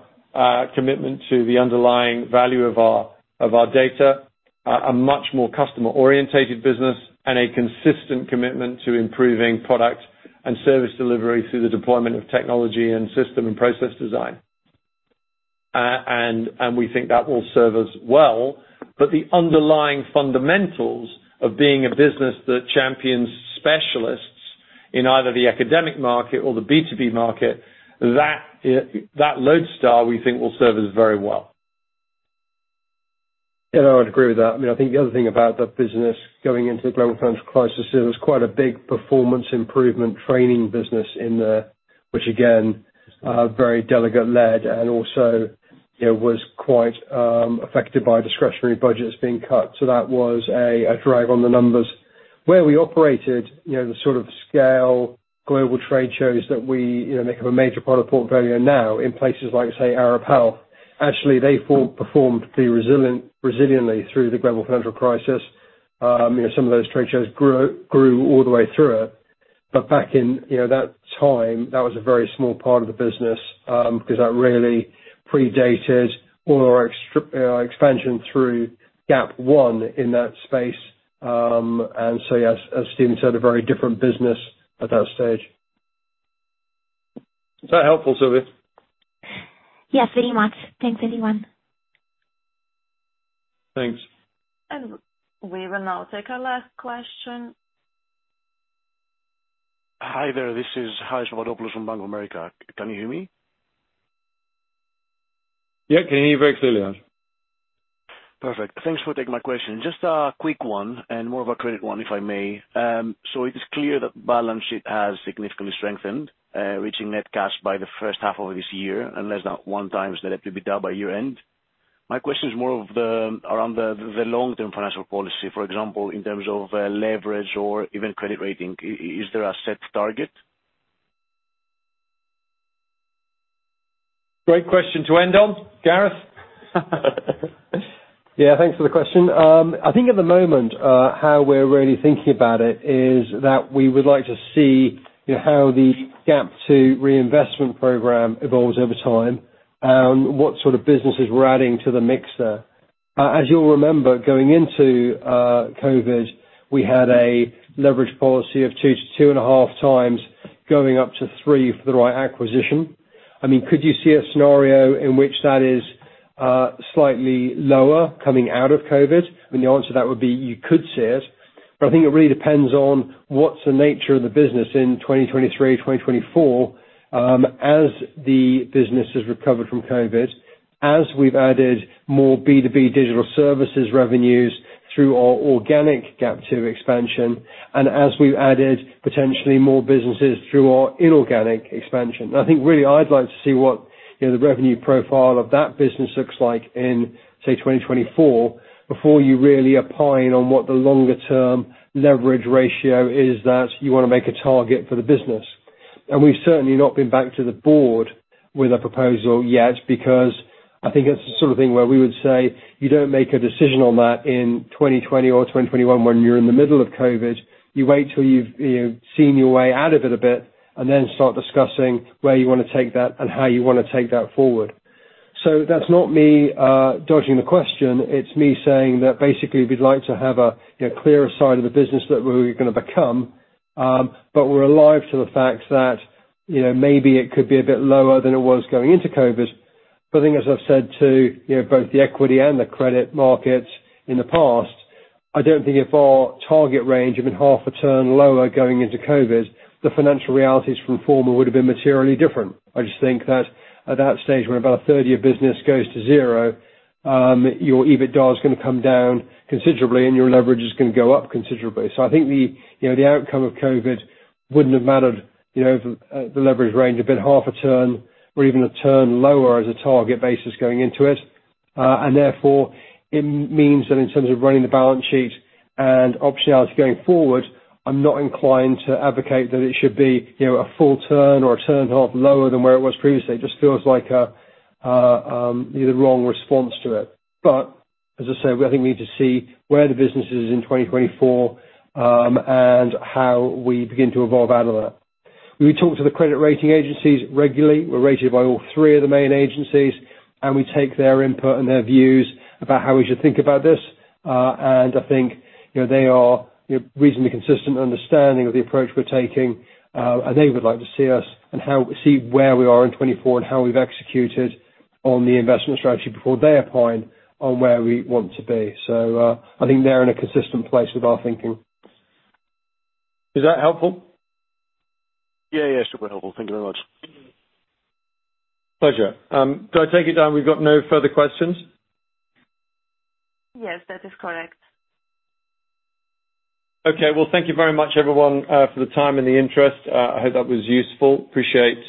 commitment to the underlying value of our data, a much more customer-oriented business and a consistent commitment to improving product and service delivery through the deployment of technology and system and process design. We think that will serve us well. The underlying fundamentals of being a business that champions specialists in either the academic market or the B2B market, that lodestar we think will serve us very well. Yeah, I would agree with that. I mean, I think the other thing about that business going into the global financial crisis, it was quite a big performance improvement training business. Which again, very delegate-led and also, you know, was quite affected by discretionary budgets being cut. That was a drive on the numbers. Where we operated, the sort of scale global trade shows that we make up a major part of portfolio now in places like, say, Arab Health, actually, they fully performed pretty resiliently through the global financial crisis. Some of those trade shows grew all the way through it. Back in that time, that was a very small part of the business, because that really predated all our expansion through GAP 1 in that space. Yes, as Stephen said, a very different business at that stage. Is that helpful, Silvia? Yes, very much. Thanks, everyone. Thanks. We will now take our last question. Hi there. This is Hash Rodopolous from Bank of America. Can you hear me? Yeah, can hear you very clearly, Hash. Perfect. Thanks for taking my question. Just a quick one and more of a credit one, if I may. So it is clear that balance sheet has significantly strengthened, reaching net cash by the first half of this year, and less than one times net debt to EBITDA by year-end. My question is more around the long-term financial policy, for example, in terms of leverage or even credit rating. Is there a set target? Great question to end on. Gareth? Yeah, thanks for the question. I think at the moment, how we're really thinking about it is that we would like to see, you know, how the GAP 2 reinvestment program evolves over time and what sort of businesses we're adding to the mix there. As you'll remember, going into COVID, we had a leverage policy of 2-2.5 times going up to 3 for the right acquisition. I mean, could you see a scenario in which that is slightly lower coming out of COVID? The answer to that would be, you could see it, but I think it really depends on what's the nature of the business in 2023, 2024, as the business has recovered from COVID, as we've added more B2B digital services revenues through our organic GAP 2 expansion, and as we've added potentially more businesses through our inorganic expansion. I think really I'd like to see what, you know, the revenue profile of that business looks like in, say, 2024 before you really opine on what the longer term leverage ratio is that you wanna make a target for the business. We've certainly not been back to the board with a proposal yet because I think it's the sort of thing where we would say, you don't make a decision on that in 2020 or 2021 when you're in the middle of COVID. You wait till you've seen your way out of it a bit and then start discussing where you wanna take that and how you wanna take that forward. That's not me dodging the question. It's me saying that basically we'd like to have a, you know, clearer side of the business that we're gonna become, but we're alive to the fact that, you know, maybe it could be a bit lower than it was going into COVID. I think as I've said to, you know, both the equity and the credit markets in the past, I don't think if our target range had been half a turn lower going into COVID, the financial realities from Informa would have been materially different. I just think that at that stage, when about a third of your business goes to zero, your EBITDA is gonna come down considerably and your leverage is gonna go up considerably. I think the, you know, the outcome of COVID wouldn't have mattered, you know, if the leverage range had been half a turn or even a turn lower as a target basis going into it. And therefore it means that in terms of running the balance sheet and optionality going forward, I'm not inclined to advocate that it should be, you know, a full turn or a turn half lower than where it was previously. It just feels like the wrong response to it. As I say, I think need to see where the business is in 2024, and how we begin to evolve out of that. We talk to the credit rating agencies regularly. We're rated by all three of the main agencies, and we take their input and their views about how we should think about this. I think, you know, they are, you know, reasonably consistent understanding of the approach we're taking. They would like to see us and see where we are in 2024 and how we've executed on the investment strategy before they opine on where we want to be. I think they're in a consistent place with our thinking. Is that helpful? Yeah. Yeah, super helpful. Thank you very much. Pleasure. Do I take it that we've got no further questions? Yes, that is correct. Okay. Well, thank you very much, everyone, for the time and the interest. I hope that was useful. Appreciate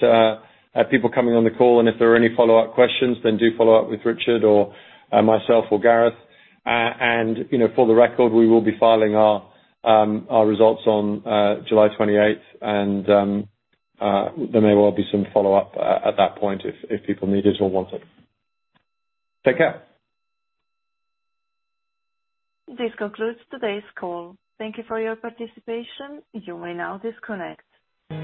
people coming on the call, and if there are any follow-up questions, then do follow up with Richard or myself or Gareth. You know, for the record, we will be filing our results on July 28th and there may well be some follow-up at that point if people need it or want it. Take care. This concludes today's call. Thank you for your participation. You may now disconnect.